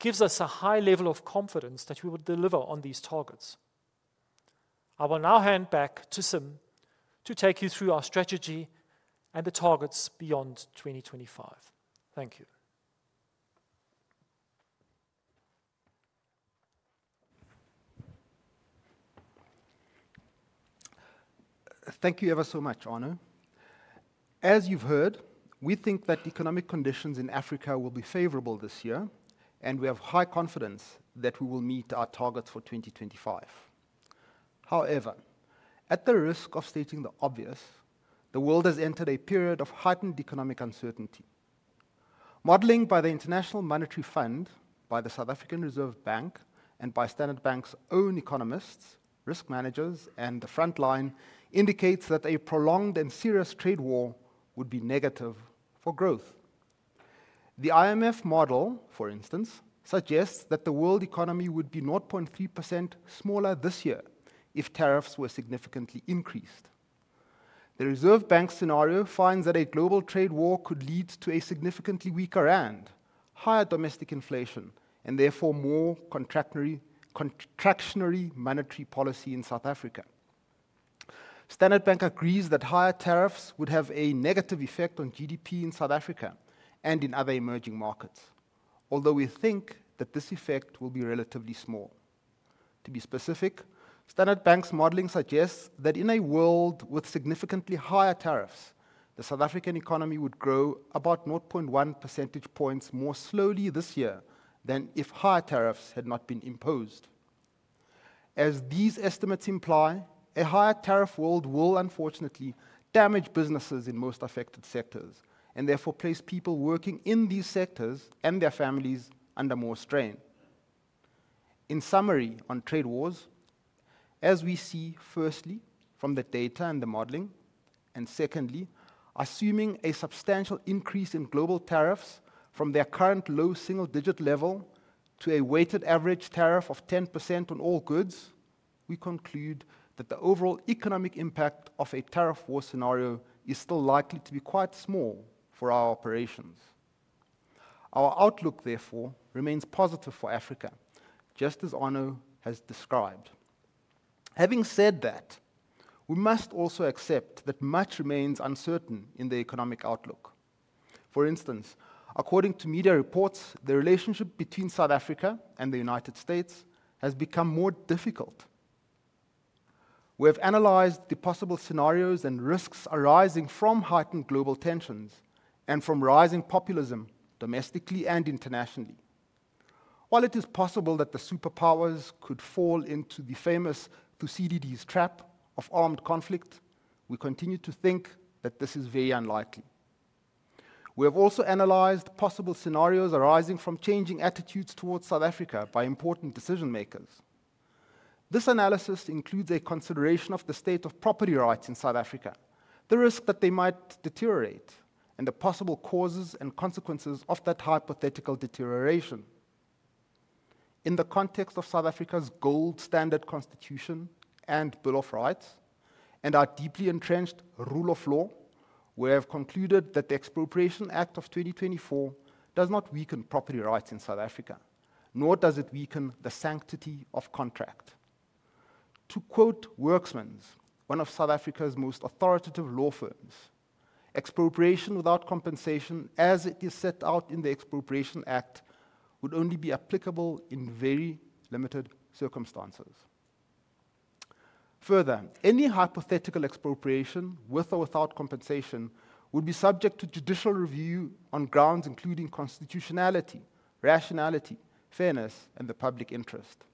gives us a high level of confidence that we will deliver on these targets. I will now hand back to Sim to take you through our strategy and the targets beyond 2025. Thank you. Thank you ever so much, Arno. As you've heard, we think that economic conditions in Africa will be favorable this year, and we have high confidence that we will meet our targets for 2025. However, at the risk of stating the obvious, the world has entered a period of heightened economic uncertainty. Modeling by the International Monetary Fund, by the South African Reserve Bank, and by Standard Bank's own economists, risk managers, and the front line indicates that a prolonged and serious trade war would be negative for growth. The IMF model, for instance, suggests that the world economy would be 0.3% smaller this year if tariffs were significantly increased. The Reserve Bank scenario finds that a global trade war could lead to a significantly weaker rand, higher domestic inflation, and therefore more contractionary monetary policy in South Africa. Standard Bank agrees that higher tariffs would have a negative effect on GDP in South Africa and in other emerging markets, although we think that this effect will be relatively small. To be specific, Standard Bank's modeling suggests that in a world with significantly higher tariffs, the South African economy would grow about 0.1 percentage points more slowly this year than if higher tariffs had not been imposed. As these estimates imply, a higher tariff world will unfortunately damage businesses in most affected sectors and therefore place people working in these sectors and their families under more strain. In summary on trade wars, as we see firstly from the data and the modeling, and secondly, assuming a substantial increase in global tariffs from their current low single-digit level to a weighted average tariff of 10% on all goods, we conclude that the overall economic impact of a tariff war scenario is still likely to be quite small for our operations. Our outlook, therefore, remains positive for Africa, just as Arno has described. Having said that, we must also accept that much remains uncertain in the economic outlook. For instance, according to media reports, the relationship between South Africa and the United States has become more difficult. We have analyzed the possible scenarios and risks arising from heightened global tensions and from rising populism domestically and internationally. While it is possible that the superpowers could fall into the famous Thucydides' trap of armed conflict, we continue to think that this is very unlikely. We have also analyzed possible scenarios arising from changing attitudes towards South Africa by important decision-makers. This analysis includes a consideration of the state of property rights in South Africa, the risk that they might deteriorate, and the possible causes and consequences of that hypothetical deterioration. In the context of South Africa's gold standard constitution and Bill of Rights and our deeply entrenched rule of law, we have concluded that the Expropriation Act of 2024 does not weaken property rights in South Africa, nor does it weaken the sanctity of contract. To quote Worksmans, one of South Africa's most authoritative law firms, "Expropriation without compensation, as it is set out in the Expropriation Act, would only be applicable in very limited circumstances." Further, any hypothetical expropriation with or without compensation would be subject to judicial review on grounds including constitutionality, rationality, fairness, and the public interest.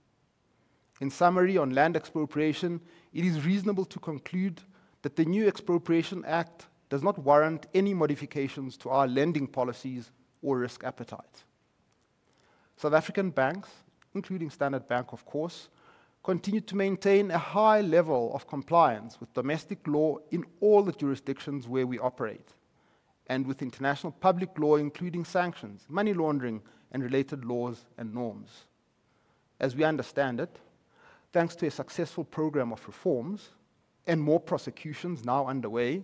In summary on land expropriation, it is reasonable to conclude that the new Expropriation Act does not warrant any modifications to our lending policies or risk appetites. South African banks, including Standard Bank, of course, continue to maintain a high level of compliance with domestic law in all the jurisdictions where we operate and with international public law, including sanctions, money laundering, and related laws and norms. As we understand it, thanks to a successful program of reforms and more prosecutions now underway,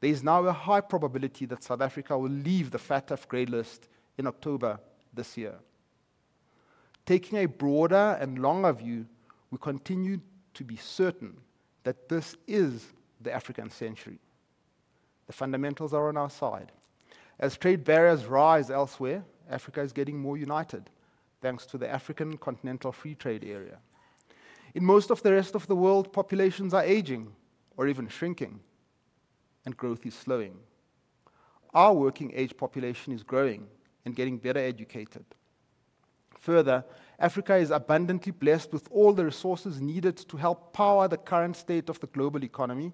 there is now a high probability that South Africa will leave the FATF grey list in October this year. Taking a broader and longer view, we continue to be certain that this is the African century. The fundamentals are on our side. As trade barriers rise elsewhere, Africa is getting more united, thanks to the African Continental Free Trade Area. In most of the rest of the world, populations are aging or even shrinking, and growth is slowing. Our working-age population is growing and getting better educated. Further, Africa is abundantly blessed with all the resources needed to help power the current state of the global economy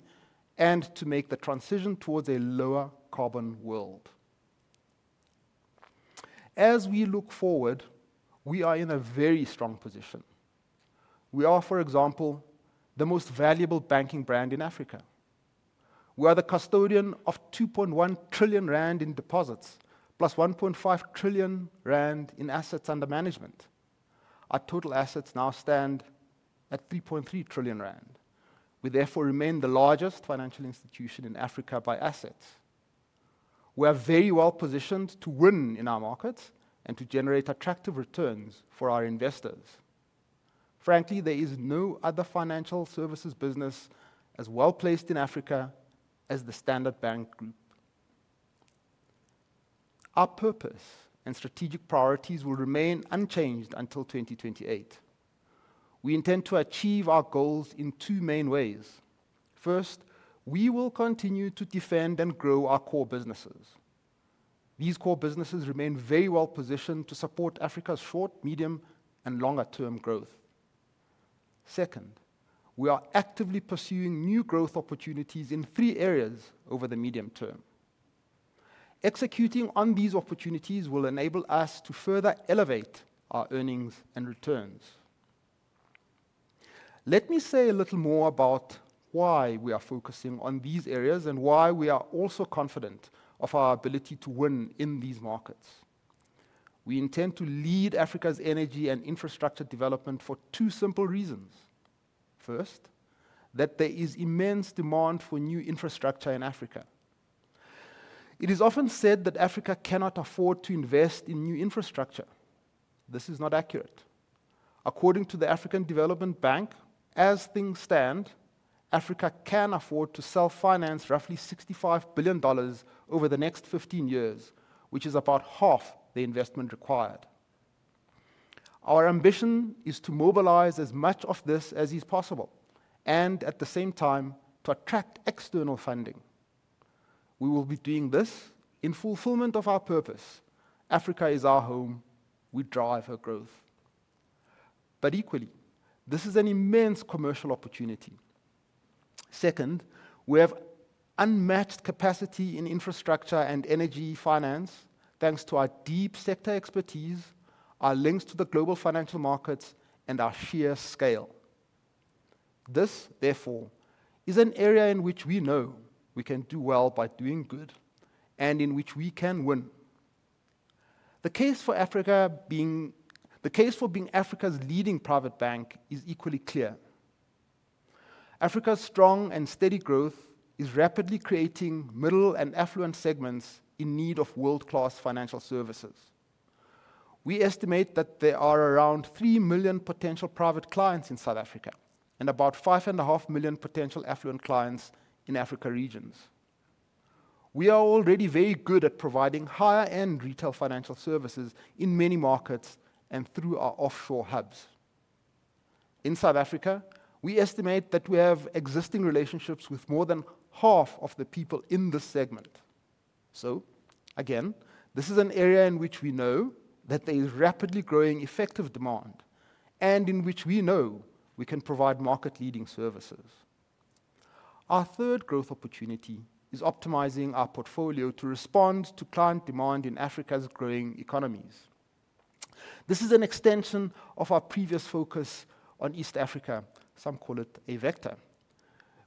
and to make the transition towards a lower carbon world. As we look forward, we are in a very strong position. We are, for example, the most valuable banking brand in Africa. We are the custodian of 2.1 trillion rand in deposits, plus 1.5 trillion rand in assets under management. Our total assets now stand at 3.3 trillion rand. We therefore remain the largest financial institution in Africa by assets. We are very well positioned to win in our markets and to generate attractive returns for our investors. Frankly, there is no other financial services business as well placed in Africa as the Standard Bank Group. Our purpose and strategic priorities will remain unchanged until 2028. We intend to achieve our goals in two main ways. First, we will continue to defend and grow our core businesses. These core businesses remain very well positioned to support Africa's short, medium, and longer-term growth. Second, we are actively pursuing new growth opportunities in three areas over the medium term. Executing on these opportunities will enable us to further elevate our earnings and returns. Let me say a little more about why we are focusing on these areas and why we are also confident of our ability to win in these markets. We intend to lead Africa's energy and infrastructure development for two simple reasons. First, that there is immense demand for new infrastructure in Africa. It is often said that Africa cannot afford to invest in new infrastructure. This is not accurate. According to the African Development Bank, as things stand, Africa can afford to self-finance roughly $65 billion over the next 15 years, which is about half the investment required. Our ambition is to mobilize as much of this as is possible and, at the same time, to attract external funding. We will be doing this in fulfillment of our purpose. Africa is our home. We drive our growth. Equally, this is an immense commercial opportunity. Second, we have unmatched capacity in infrastructure and energy finance, thanks to our deep sector expertise, our links to the global financial markets, and our sheer scale. This, therefore, is an area in which we know we can do well by doing good and in which we can win. The case for Africa being the case for being Africa's leading private bank is equally clear. Africa's strong and steady growth is rapidly creating middle and affluent segments in need of world-class financial services. We estimate that there are around 3 million potential private clients in South Africa and about 5.5 million potential affluent clients in Africa regions. We are already very good at providing higher-end retail financial services in many markets and through our offshore hubs. In South Africa, we estimate that we have existing relationships with more than half of the people in this segment. This is an area in which we know that there is rapidly growing effective demand and in which we know we can provide market-leading services. Our third growth opportunity is optimizing our portfolio to respond to client demand in Africa's growing economies. This is an extension of our previous focus on East Africa. Some call it a vector.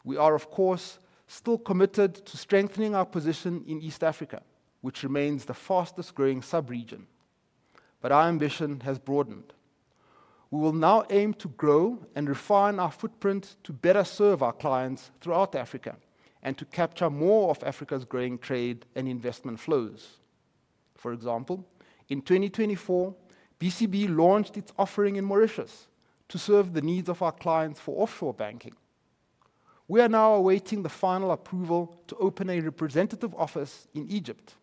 We are, of course, still committed to strengthening our position in East Africa, which remains the fastest-growing subregion. Our ambition has broadened. We will now aim to grow and refine our footprint to better serve our clients throughout Africa and to capture more of Africa's growing trade and investment flows. For example, in 2024, BCB launched its offering in Mauritius to serve the needs of our clients for offshore banking. We are now awaiting the final approval to open a representative office in Egypt.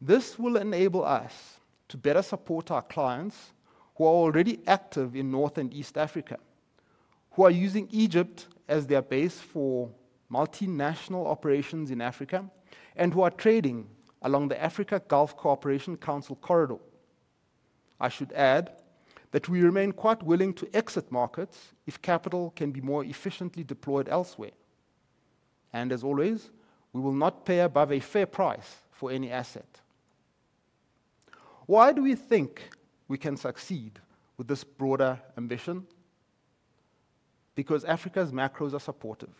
This will enable us to better support our clients who are already active in North and East Africa, who are using Egypt as their base for multinational operations in Africa, and who are trading along the Africa Gulf Cooperation Council corridor. I should add that we remain quite willing to exit markets if capital can be more efficiently deployed elsewhere. As always, we will not pay above a fair price for any asset. Why do we think we can succeed with this broader ambition? Because Africa's macros are supportive,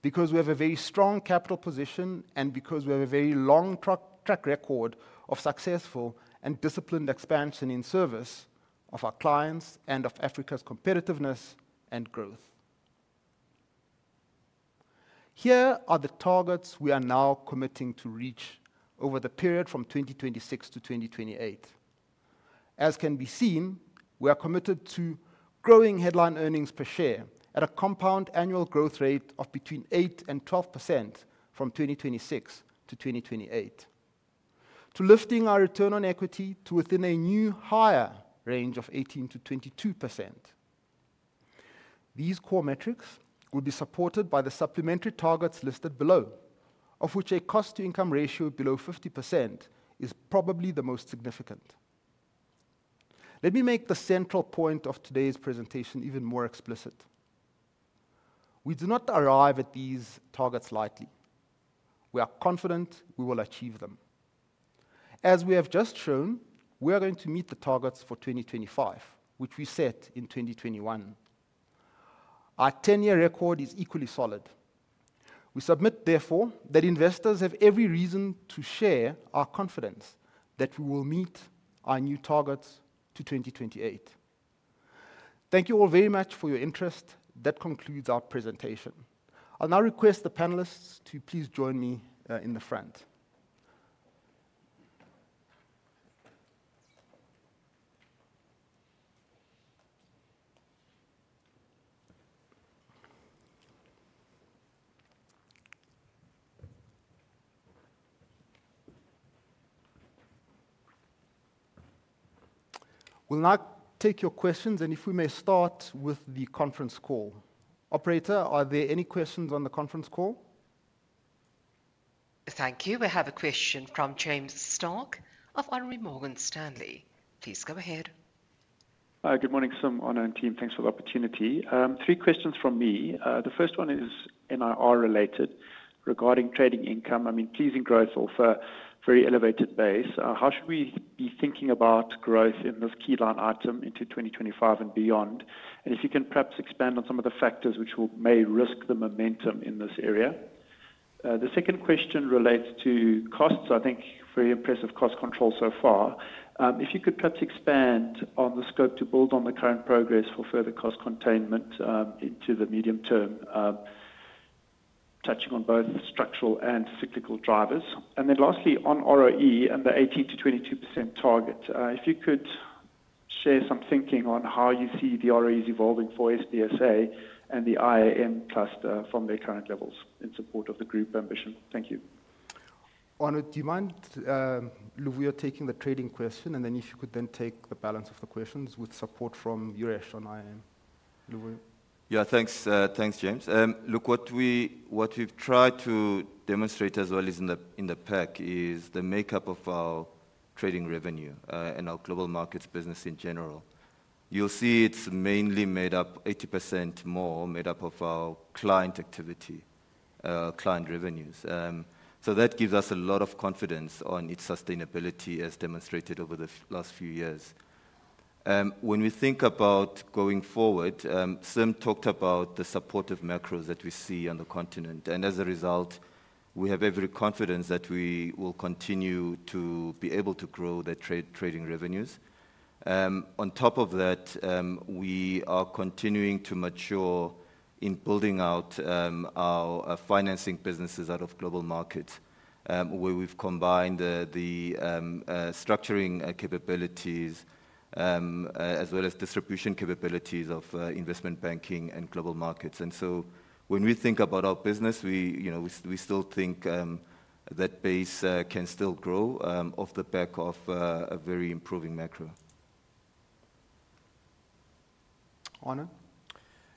because we have a very strong capital position, and because we have a very long track record of successful and disciplined expansion in service of our clients and of Africa's competitiveness and growth. Here are the targets we are now committing to reach over the period from 2026 to 2028. As can be seen, we are committed to growing headline earnings per share at a compound annual growth rate of between 8% and 12% from 2026 to 2028, to lifting our return on equity to within a new higher range of 18%-22%. These core metrics will be supported by the supplementary targets listed below, of which a cost-to-income ratio below 50% is probably the most significant. Let me make the central point of today's presentation even more explicit. We do not arrive at these targets lightly. We are confident we will achieve them. As we have just shown, we are going to meet the targets for 2025, which we set in 2021. Our 10-year record is equally solid. We submit, therefore, that investors have every reason to share our confidence that we will meet our new targets to 2028. Thank you all very much for your interest. That concludes our presentation. I'll now request the panelists to please join me in the front. We'll now take your questions, and if we may start with the conference call. Operator, are there any questions on the conference call? Thank you. We have a question from James Starke of Morgan Stanley. Please go ahead. Hi, good morning, Sim and team. Thanks for the opportunity. Three questions from me. The first one is NIR-related regarding trading income. I mean, pleasing growth off a very elevated base. How should we be thinking about growth in this key line item into 2025 and beyond? If you can perhaps expand on some of the factors which may risk the momentum in this area. The second question relates to costs. I think very impressive cost control so far. If you could perhaps expand on the scope to build on the current progress for further cost containment into the medium term, touching on both structural and cyclical drivers. Lastly, on ROE and the 18%-22% target, if you could share some thinking on how you see the ROEs evolving for SDSA and the IAM cluster from their current levels in support of the group ambition. Thank you. On a demand,, you're taking the trading question, and then if you could then take the balance of the questions with support from Yuresh on IAM. Yeah, thanks, James. Look, what we've tried to demonstrate as well is in the PEC is the makeup of our trading revenue and our global markets business in general. You'll see it's mainly made up, 80% more made up of our client activity, client revenues. That gives us a lot of confidence on its sustainability as demonstrated over the last few years. When we think about going forward, Sim talked about the supportive macros that we see on the continent. As a result, we have every confidence that we will continue to be able to grow the trading revenues. On top of that, we are continuing to mature in building out our financing businesses out of global markets, where we've combined the structuring capabilities as well as distribution capabilities of investment banking and global markets. When we think about our business, we still think that base can still grow off the back of a very improving macro. On it.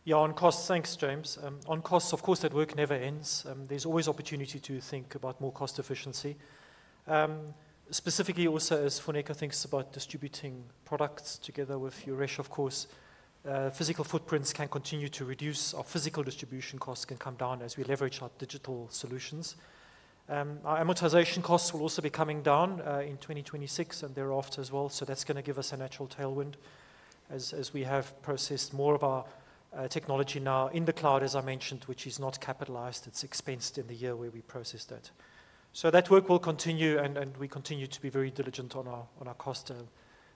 Yeah, on costs, thanks, James. On costs, of course, that work never ends. There is always opportunity to think about more cost efficiency. Specifically, also as Funeka thinks about distributing products together with Yuresh, of course, physical footprints can continue to reduce, our physical distribution costs can come down as we leverage our digital solutions. Our amortization costs will also be coming down in 2026 and thereafter as well. That is going to give us a natural tailwind as we have processed more of our technology now in the cloud, as I mentioned, which is not capitalized. It is expensed in the year where we processed it. That work will continue, and we continue to be very diligent on our cost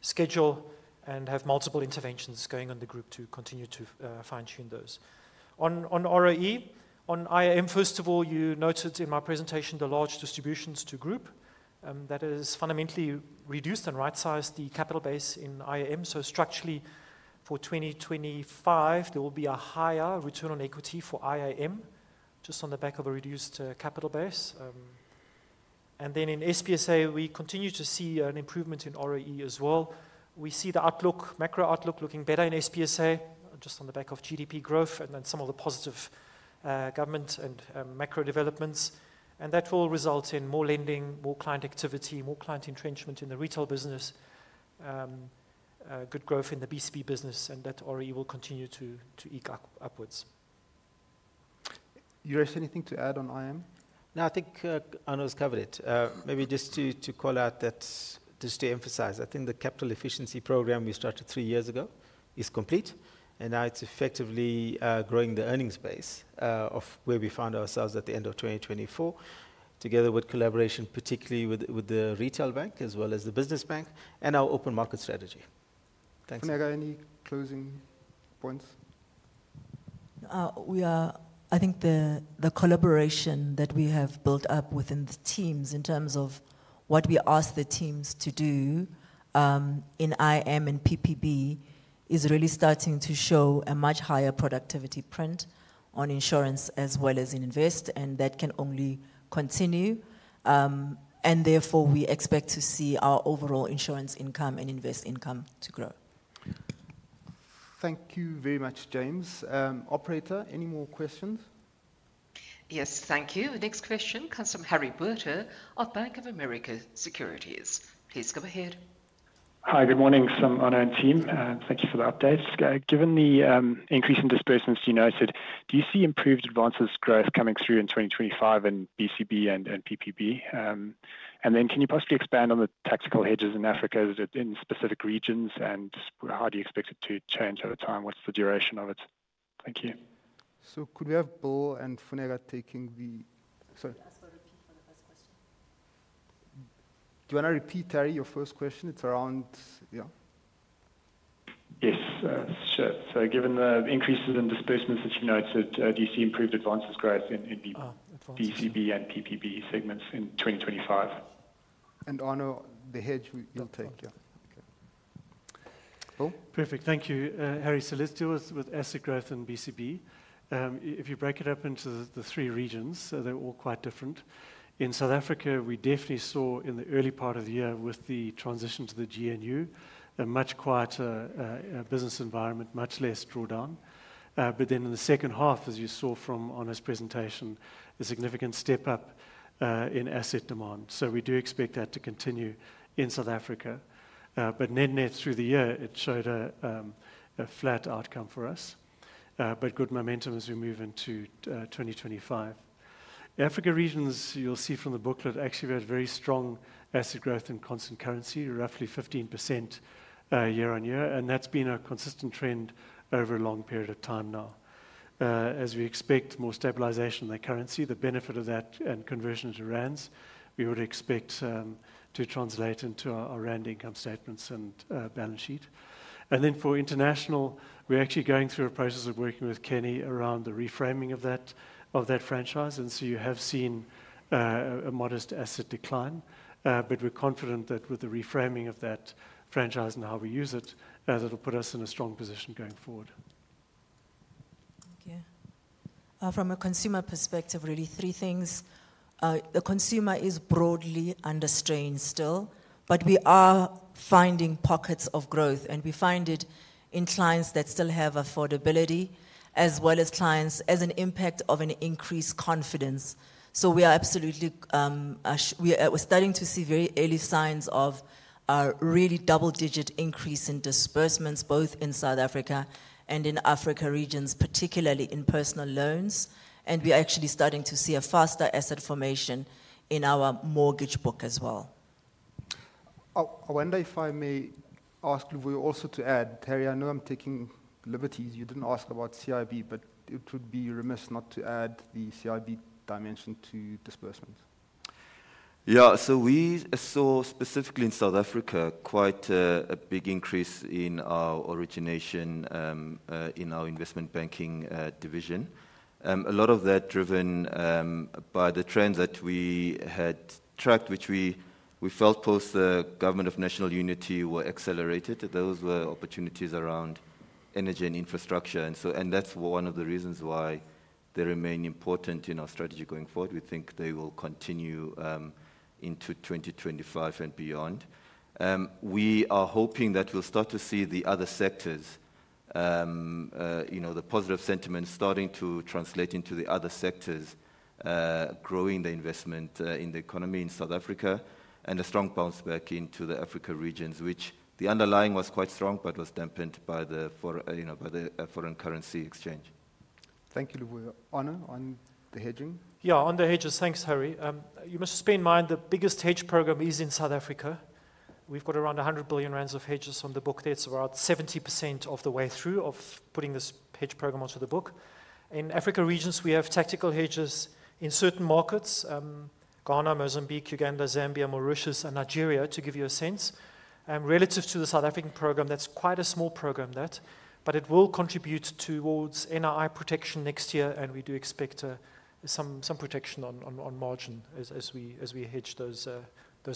schedule and have multiple interventions going on the group to continue to fine-tune those. On ROE, on IAM, first of all, you noted in my presentation the large distributions to group. That has fundamentally reduced and right-sized the capital base in IAM. Structurally, for 2025, there will be a higher return on equity for IAM just on the back of a reduced capital base. In SPSA, we continue to see an improvement in ROE as well. We see the outlook, macro outlook looking better in SPSA just on the back of GDP growth and some of the positive government and macro developments. That will result in more lending, more client activity, more client entrenchment in the retail business, good growth in the BCB business, and that ROE will continue to eke upwards. Yuresh, anything to add on IAM? No, I think Arno's covered it. Maybe just to call out that, just to emphasize, I think the capital efficiency program we started three years ago is complete, and now it's effectively growing the earnings base of where we found ourselves at the end of 2024, together with collaboration, particularly with the retail bank as well as the business bank and our open market strategy. Thanks. Funeka, any closing points? We are, I think the collaboration that we have built up within the teams in terms of what we ask the teams to do in IAM and PPB is really starting to show a much higher productivity print on insurance as well as in invest, and that can only continue. Therefore, we expect to see our overall insurance income and invest income to grow. Thank you very much, James. Operator, any more questions? Yes, thank you. Next question comes from Harry Botha of Bank of America Securities. Please go ahead. Hi, good morning, Sim and team. Thank you for the updates. Given the increase in dispersions you noted, do you see improved advances growth coming through in 2025 in BCB and PPB? Can you possibly expand on the tactical hedges in Africa in specific regions? How do you expect it to change over time? What's the duration of it? Thank you. Could we have Bill and Funeka taking the—sorry. I'll ask for a repeat for the first question. Do you want to repeat, Harry, your first question? It's around, yeah. Yes, sure. Given the increases in dispersions that you noted, do you see improved advances growth in BCB and PPB segments in 2025? And Arno, the hedge you'll take, yeah. Okay. Perfect. Thank you. Harry Solistio with Asset Growth and BCB. If you break it up into the three regions, they're all quite different. In South Africa, we definitely saw in the early part of the year with the transition to the GNU a much quieter business environment, much less drawdown. In the second half, as you saw from Arnold's presentation, a significant step up in asset demand. We do expect that to continue in South Africa. Net-net through the year, it showed a flat outcome for us, but good momentum as we move into 2025. Africa regions, you'll see from the booklet, actually we had very strong asset growth in constant currency, roughly 15% year on year. That has been a consistent trend over a long period of time now. As we expect more stabilization of the currency, the benefit of that and conversion to rands, we would expect to translate into our rand income statements and balance sheet. For international, we're actually going through a process of working with Kenny around the reframing of that franchise. You have seen a modest asset decline. We're confident that with the reframing of that franchise and how we use it, that'll put us in a strong position going forward. Thank you. From a consumer perspective, really, three things. The consumer is broadly under strain still, but we are finding pockets of growth. We find it in clients that still have affordability as well as clients as an impact of an increased confidence. We are absolutely—we're starting to see very early signs of a really double-digit increase in dispersements, both in South Africa and in Africa regions, particularly in personal loans. We're actually starting to see a faster asset formation in our mortgage book as well. I wonder if I may ask also to add, Harry, I know I'm taking liberties. You did not ask about CIB, but it would be remiss not to add the CIB dimension to dispersements. We saw specifically in South Africa quite a big increase in our origination in our investment banking division. A lot of that driven by the trends that we had tracked, which we felt post the government of national unity were accelerated. Those were opportunities around energy and infrastructure. That is one of the reasons why they remain important in our strategy going forward. We think they will continue into 2025 and beyond. We are hoping that we will start to see the other sectors, the positive sentiment starting to translate into the other sectors, growing the investment in the economy in South Africa and a strong bounce back into the Africa regions, which the underlying was quite strong but was dampened by the foreign currency exchange. Thank you, Bill. On the hedging? Yeah, on the hedges, thanks, Harry. You must just bear in mind the biggest hedge program is in South Africa. We have got around 100 billion rand of hedges on the book. That's about 70% of the way through of putting this hedge program onto the book. In Africa regions, we have tactical hedges in certain markets: Ghana, Mozambique, Uganda, Zambia, Mauritius, and Nigeria, to give you a sense. Relative to the South African program, that's quite a small program, that, but it will contribute towards NII protection next year. We do expect some protection on margin as we hedge those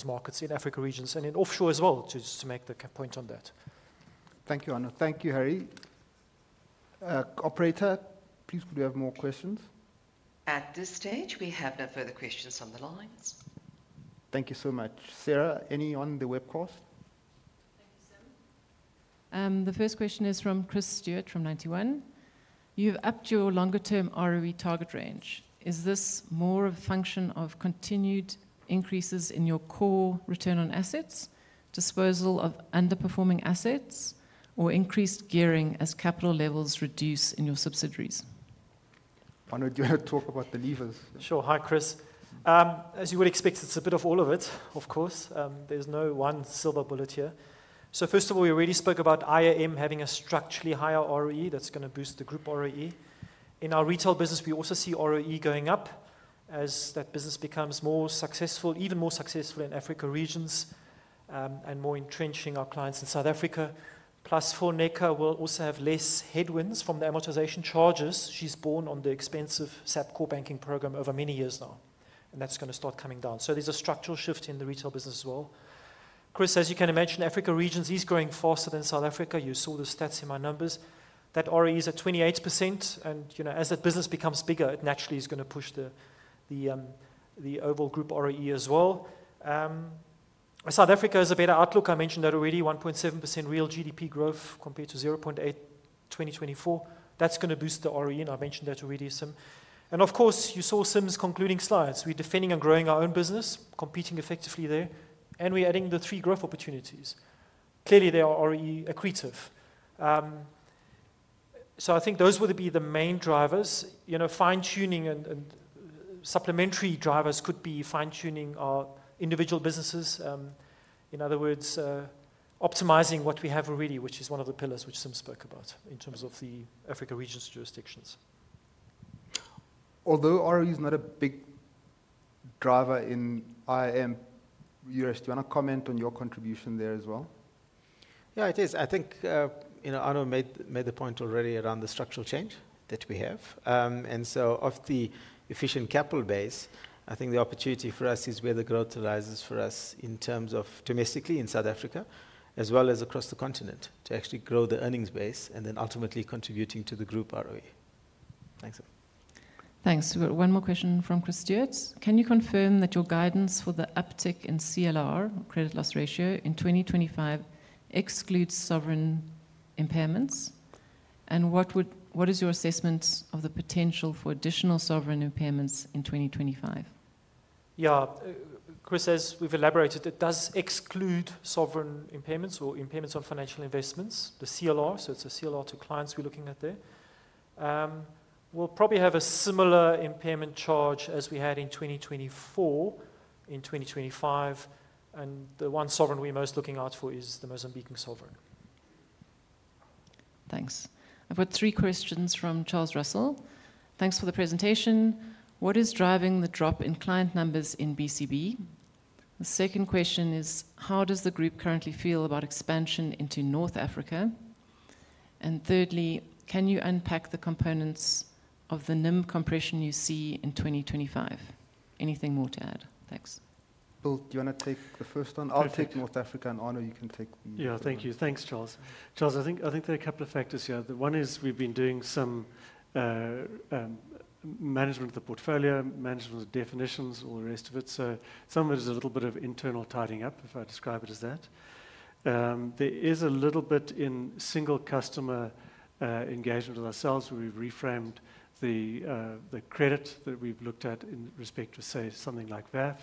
markets in Africa regions and in offshore as well, just to make the point on that. Thank you, Arno. Thank you, Harry. Operator, please, would you have more questions? At this stage, we have no further questions on the lines. Thank you so much. Sarah, any on the webcast? Thank you, Sim. The first question is from Chris Stewart from 91. You have upped your longer-term ROE target range. Is this more a function of continued increases in your core return on assets, disposal of underperforming assets, or increased gearing as capital levels reduce in your subsidiaries? Arno, do you want to talk about the levers? Sure. Hi, Chris. As you would expect, it's a bit of all of it, of course. There's no one silver bullet here. First of all, we already spoke about IAM having a structurally higher ROE that's going to boost the group ROE. In our retail business, we also see ROE going up as that business becomes more successful, even more successful in Africa regions and more entrenching our clients in South Africa. Plus, Funeka will also have less headwinds from the amortization charges. She's borne on the expensive SAP core banking program over many years now, and that's going to start coming down. There is a structural shift in the retail business as well. Chris, as you can imagine, Africa regions is growing faster than South Africa. You saw the stats in my numbers. That ROE is at 28%. As that business becomes bigger, it naturally is going to push the overall group ROE as well. South Africa has a better outlook. I mentioned that already. 1.7% real GDP growth compared to 0.8% in 2024. That is going to boost the ROE. I mentioned that already, Sim. Of course, you saw Sim's concluding slides. We are defending and growing our own business, competing effectively there, and we are adding the three growth opportunities. Clearly, they are ROE accretive. I think those would be the main drivers. Fine-tuning and supplementary drivers could be fine-tuning our individual businesses. In other words, optimizing what we have already, which is one of the pillars which Sim spoke about in terms of the Africa regions jurisdictions. Although ROE is not a big driver in IAM, Yuresh, do you want to comment on your contribution there as well? Yeah, it is. I think Arno made the point already around the structural change that we have. And so of the efficient capital base, I think the opportunity for us is where the growth arises for us in terms of domestically in South Africa, as well as across the continent to actually grow the earnings base and then ultimately contributing to the group ROE. Thanks. Thanks. One more question from Chris Stewart. Can you confirm that your guidance for the uptick in CLR, credit loss ratio, in 2025 excludes sovereign impairments? What is your assessment of the potential for additional sovereign impairments in 2025? Yeah, Chris, as we've elaborated, it does exclude sovereign impairments or impairments on financial investments, the CLR. So it's a CLR to clients we're looking at there. We'll probably have a similar impairment charge as we had in 2024 in 2025. The one sovereign we're most looking out for is the Mozambican sovereign. Thanks. I've got three questions from Charles Russell. Thanks for the presentation. What is driving the drop in client numbers in BCB? The second question is, how does the group currently feel about expansion into North Africa? Thirdly, can you unpack the components of the NIM compression you see in 2025? Anything more to add? Thanks. Bill, do you want to take the first one? I'll take North Africa, and Arno, you can take the. Yeah, thank you. Thanks, Charles. Charles, I think there are a couple of factors here. The one is we've been doing some management of the portfolio, management of the definitions, all the rest of it. Some of it is a little bit of internal tidying up, if I describe it as that. There is a little bit in single customer engagement with ourselves where we've reframed the credit that we've looked at in respect to, say, something like VAF.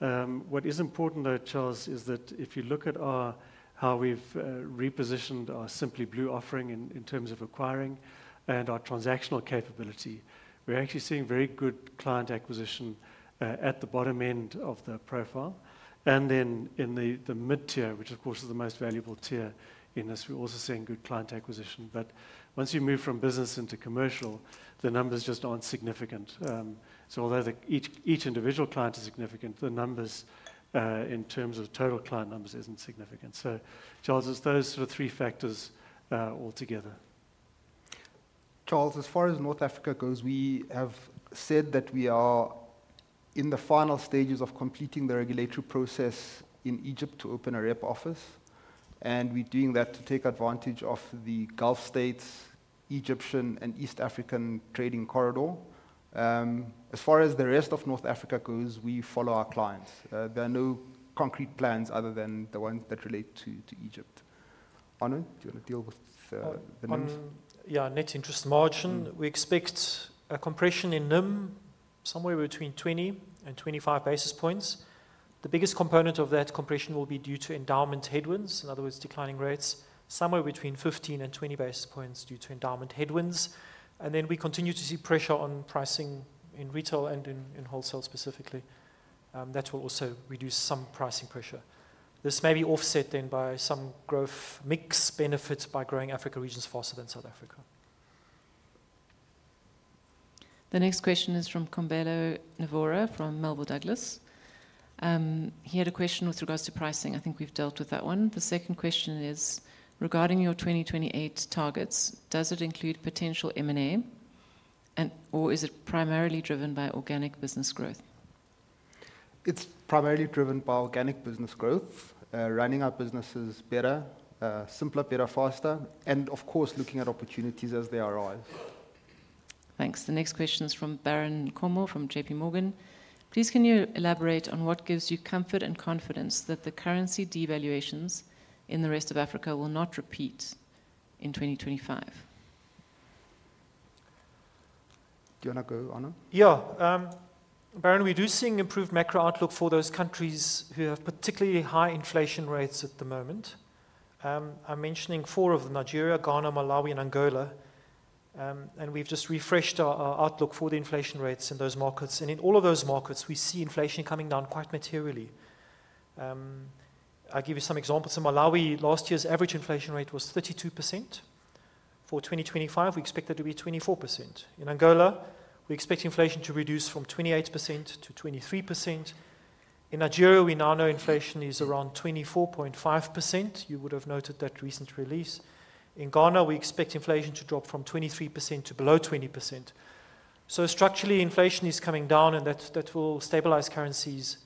What is important, though, Charles, is that if you look at how we've repositioned our Simply Blue offering in terms of acquiring and our transactional capability, we're actually seeing very good client acquisition at the bottom end of the profile. In the mid-tier, which, of course, is the most valuable tier in this, we're also seeing good client acquisition. Once you move from business into commercial, the numbers just aren't significant. Although each individual client is significant, the numbers in terms of total client numbers are not significant. Charles, it is those sort of three factors altogether. Charles, as far as North Africa goes, we have said that we are in the final stages of completing the regulatory process in Egypt to open a rep office. We are doing that to take advantage of the Gulf States, Egyptian, and East African trading corridor. As far as the rest of North Africa goes, we follow our clients. There are no concrete plans other than the ones that relate to Egypt. Arno, do you want to deal with the NIM? Yeah, net interest margin. We expect a compression in NIM somewhere between 20 and 25 basis points. The biggest component of that compression will be due to endowment headwinds, in other words, declining rates, somewhere between 15 and 20 basis points due to endowment headwinds. We continue to see pressure on pricing in retail and in wholesale specifically. That will also reduce some pricing pressure. This may be offset then by some growth mix benefits by growing Africa regions faster than South Africa. The next question is from Kombelo Navora from Melbourne Douglas. He had a question with regards to pricing. I think we've dealt with that one. The second question is, regarding your 2028 targets, does it include potential M&A or is it primarily driven by organic business growth? It's primarily driven by organic business growth, running our businesses better, simpler, better, faster, and of course, looking at opportunities as they arise. Thanks. The next question is from Baron Nkomo from JP Morgan. Please, can you elaborate on what gives you comfort and confidence that the currency devaluations in the rest of Africa will not repeat in 2025? Do you want to go, Arno? Yeah. Baron, we do see an improved macro outlook for those countries who have particularly high inflation rates at the moment. I'm mentioning four of them: Nigeria, Ghana, Malawi, and Angola. We have just refreshed our outlook for the inflation rates in those markets. In all of those markets, we see inflation coming down quite materially. I'll give you some examples. In Malawi, last year's average inflation rate was 32%. For 2025, we expect it to be 24%. In Angola, we expect inflation to reduce from 28% to 23%. In Nigeria, we now know inflation is around 24.5%. You would have noted that recent release. In Ghana, we expect inflation to drop from 23% to below 20%. Structurally, inflation is coming down, and that will stabilize currencies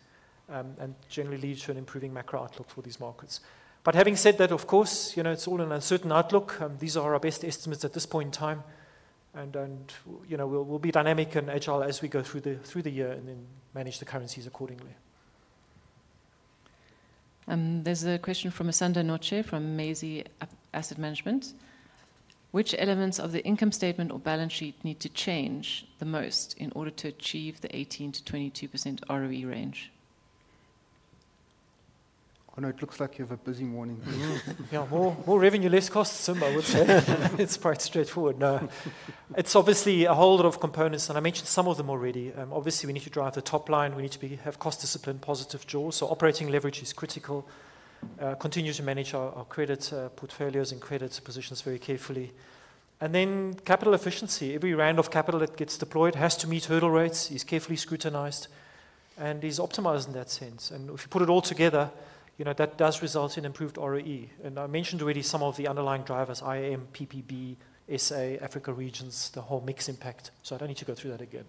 and generally lead to an improving macro outlook for these markets. Having said that, of course, it's all an uncertain outlook. These are our best estimates at this point in time. We'll be dynamic and agile as we go through the year and then manage the currencies accordingly. There's a question from Asanda Noche from Maisy Asset Management. Which elements of the income statement or balance sheet need to change the most in order to achieve the 18%-22% ROE range? Arno, it looks like you have a busy morning. Yeah, more revenue, less costs, Sim, wouldn't it? It's quite straightforward now. It's obviously a whole lot of components, and I mentioned some of them already. Obviously, we need to drive the top line. We need to have cost discipline, positive draws. Operating leverage is critical. Continue to manage our credit portfolios and credit positions very carefully. Capital efficiency is also important. Every round of capital that gets deployed has to meet hurdle rates, is carefully scrutinized, and is optimized in that sense. If you put it all together, that does result in improved ROE. I mentioned already some of the underlying drivers: IAM, PPB, SA, Africa regions, the whole mix impact. I do not need to go through that again.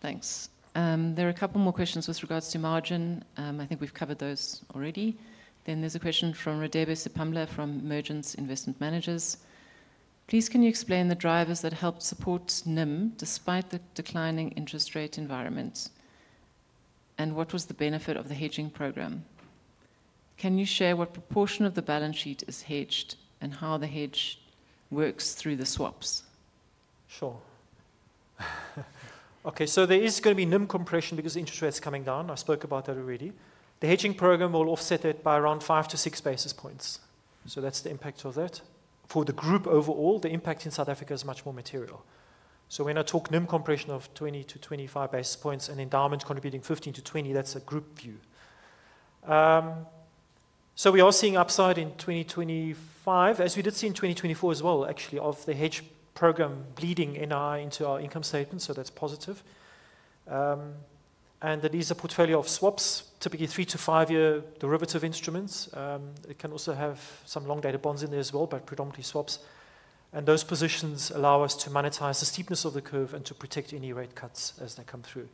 Thanks. There are a couple more questions with regards to margin. I think we have covered those already. There is a question from Radebe Sepamla from Mergence Investment Managers. Please, can you explain the drivers that helped support NIM despite the declining interest rate environment? What was the benefit of the hedging program? Can you share what proportion of the balance sheet is hedged and how the hedge works through the swaps? Sure. Okay, so there is going to be NIM compression because interest rates are coming down. I spoke about that already. The hedging program will offset it by around five to six basis points. That is the impact of that. For the group overall, the impact in South Africa is much more material. When I talk NIM compression of 20-25 basis points and endowment contributing 15-20, that is a group view. We are seeing upside in 2025, as we did see in 2024 as well, actually, of the hedge program bleeding NII into our income statement. That is positive. There is a portfolio of swaps, typically three to five-year derivative instruments. It can also have some long-dated bonds in there as well, but predominantly swaps. Those positions allow us to monetize the steepness of the curve and to protect any rate cuts as they come through.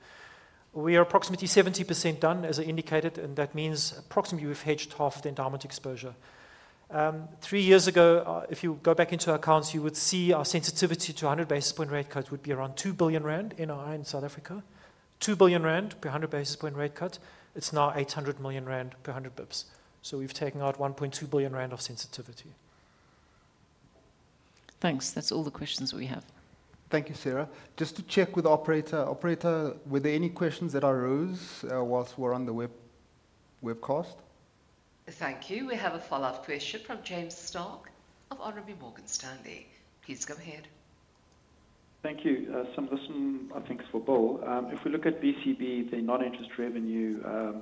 We are approximately 70% done, as I indicated, and that means approximately we have hedged half the endowment exposure. Three years ago, if you go back into our accounts, you would see our sensitivity to a 100 basis point rate cut would be around 2 billion rand NII in South Africa. 2 billion rand per 100 basis point rate cut. It is now 800 million rand per 100 basis points. We have taken out 1.2 billion rand of sensitivity. Thanks. That is all the questions we have. Thank you, Sarah. Just to check with operator, operator, were there any questions that arose whilst we are on the webcast? Thank you. We have a follow-up question from James Starke of Morgan Stanley. Please go ahead. Thank you. Sim, I think for Bill, if we look at BCB, the non-interest revenue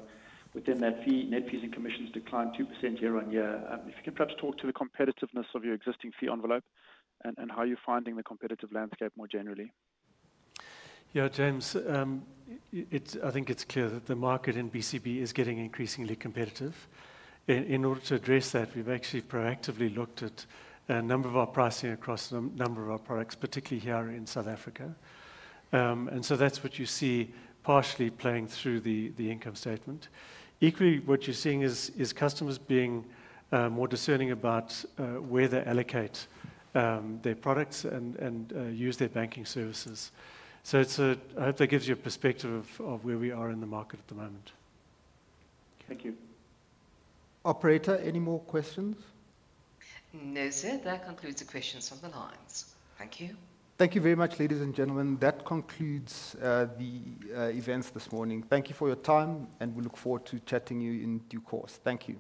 within that fee, net fees and commissions declined 2% year on year. If you can perhaps talk to the competitiveness of your existing fee envelope and how you're finding the competitive landscape more generally. Yeah, James, I think it's clear that the market in BCB is getting increasingly competitive. In order to address that, we've actually proactively looked at a number of our pricing across a number of our products, particularly here in South Africa. That is what you see partially playing through the income statement. Equally, what you're seeing is customers being more discerning about where they allocate their products and use their banking services. I hope that gives you a perspective of where we are in the market at the moment. Thank you. Operator, any more questions? No, sir. That concludes the questions from the lines. Thank you. Thank you very much, ladies and gentlemen. That concludes the events this morning. Thank you for your time, and we look forward to chatting you in due course. Thank you.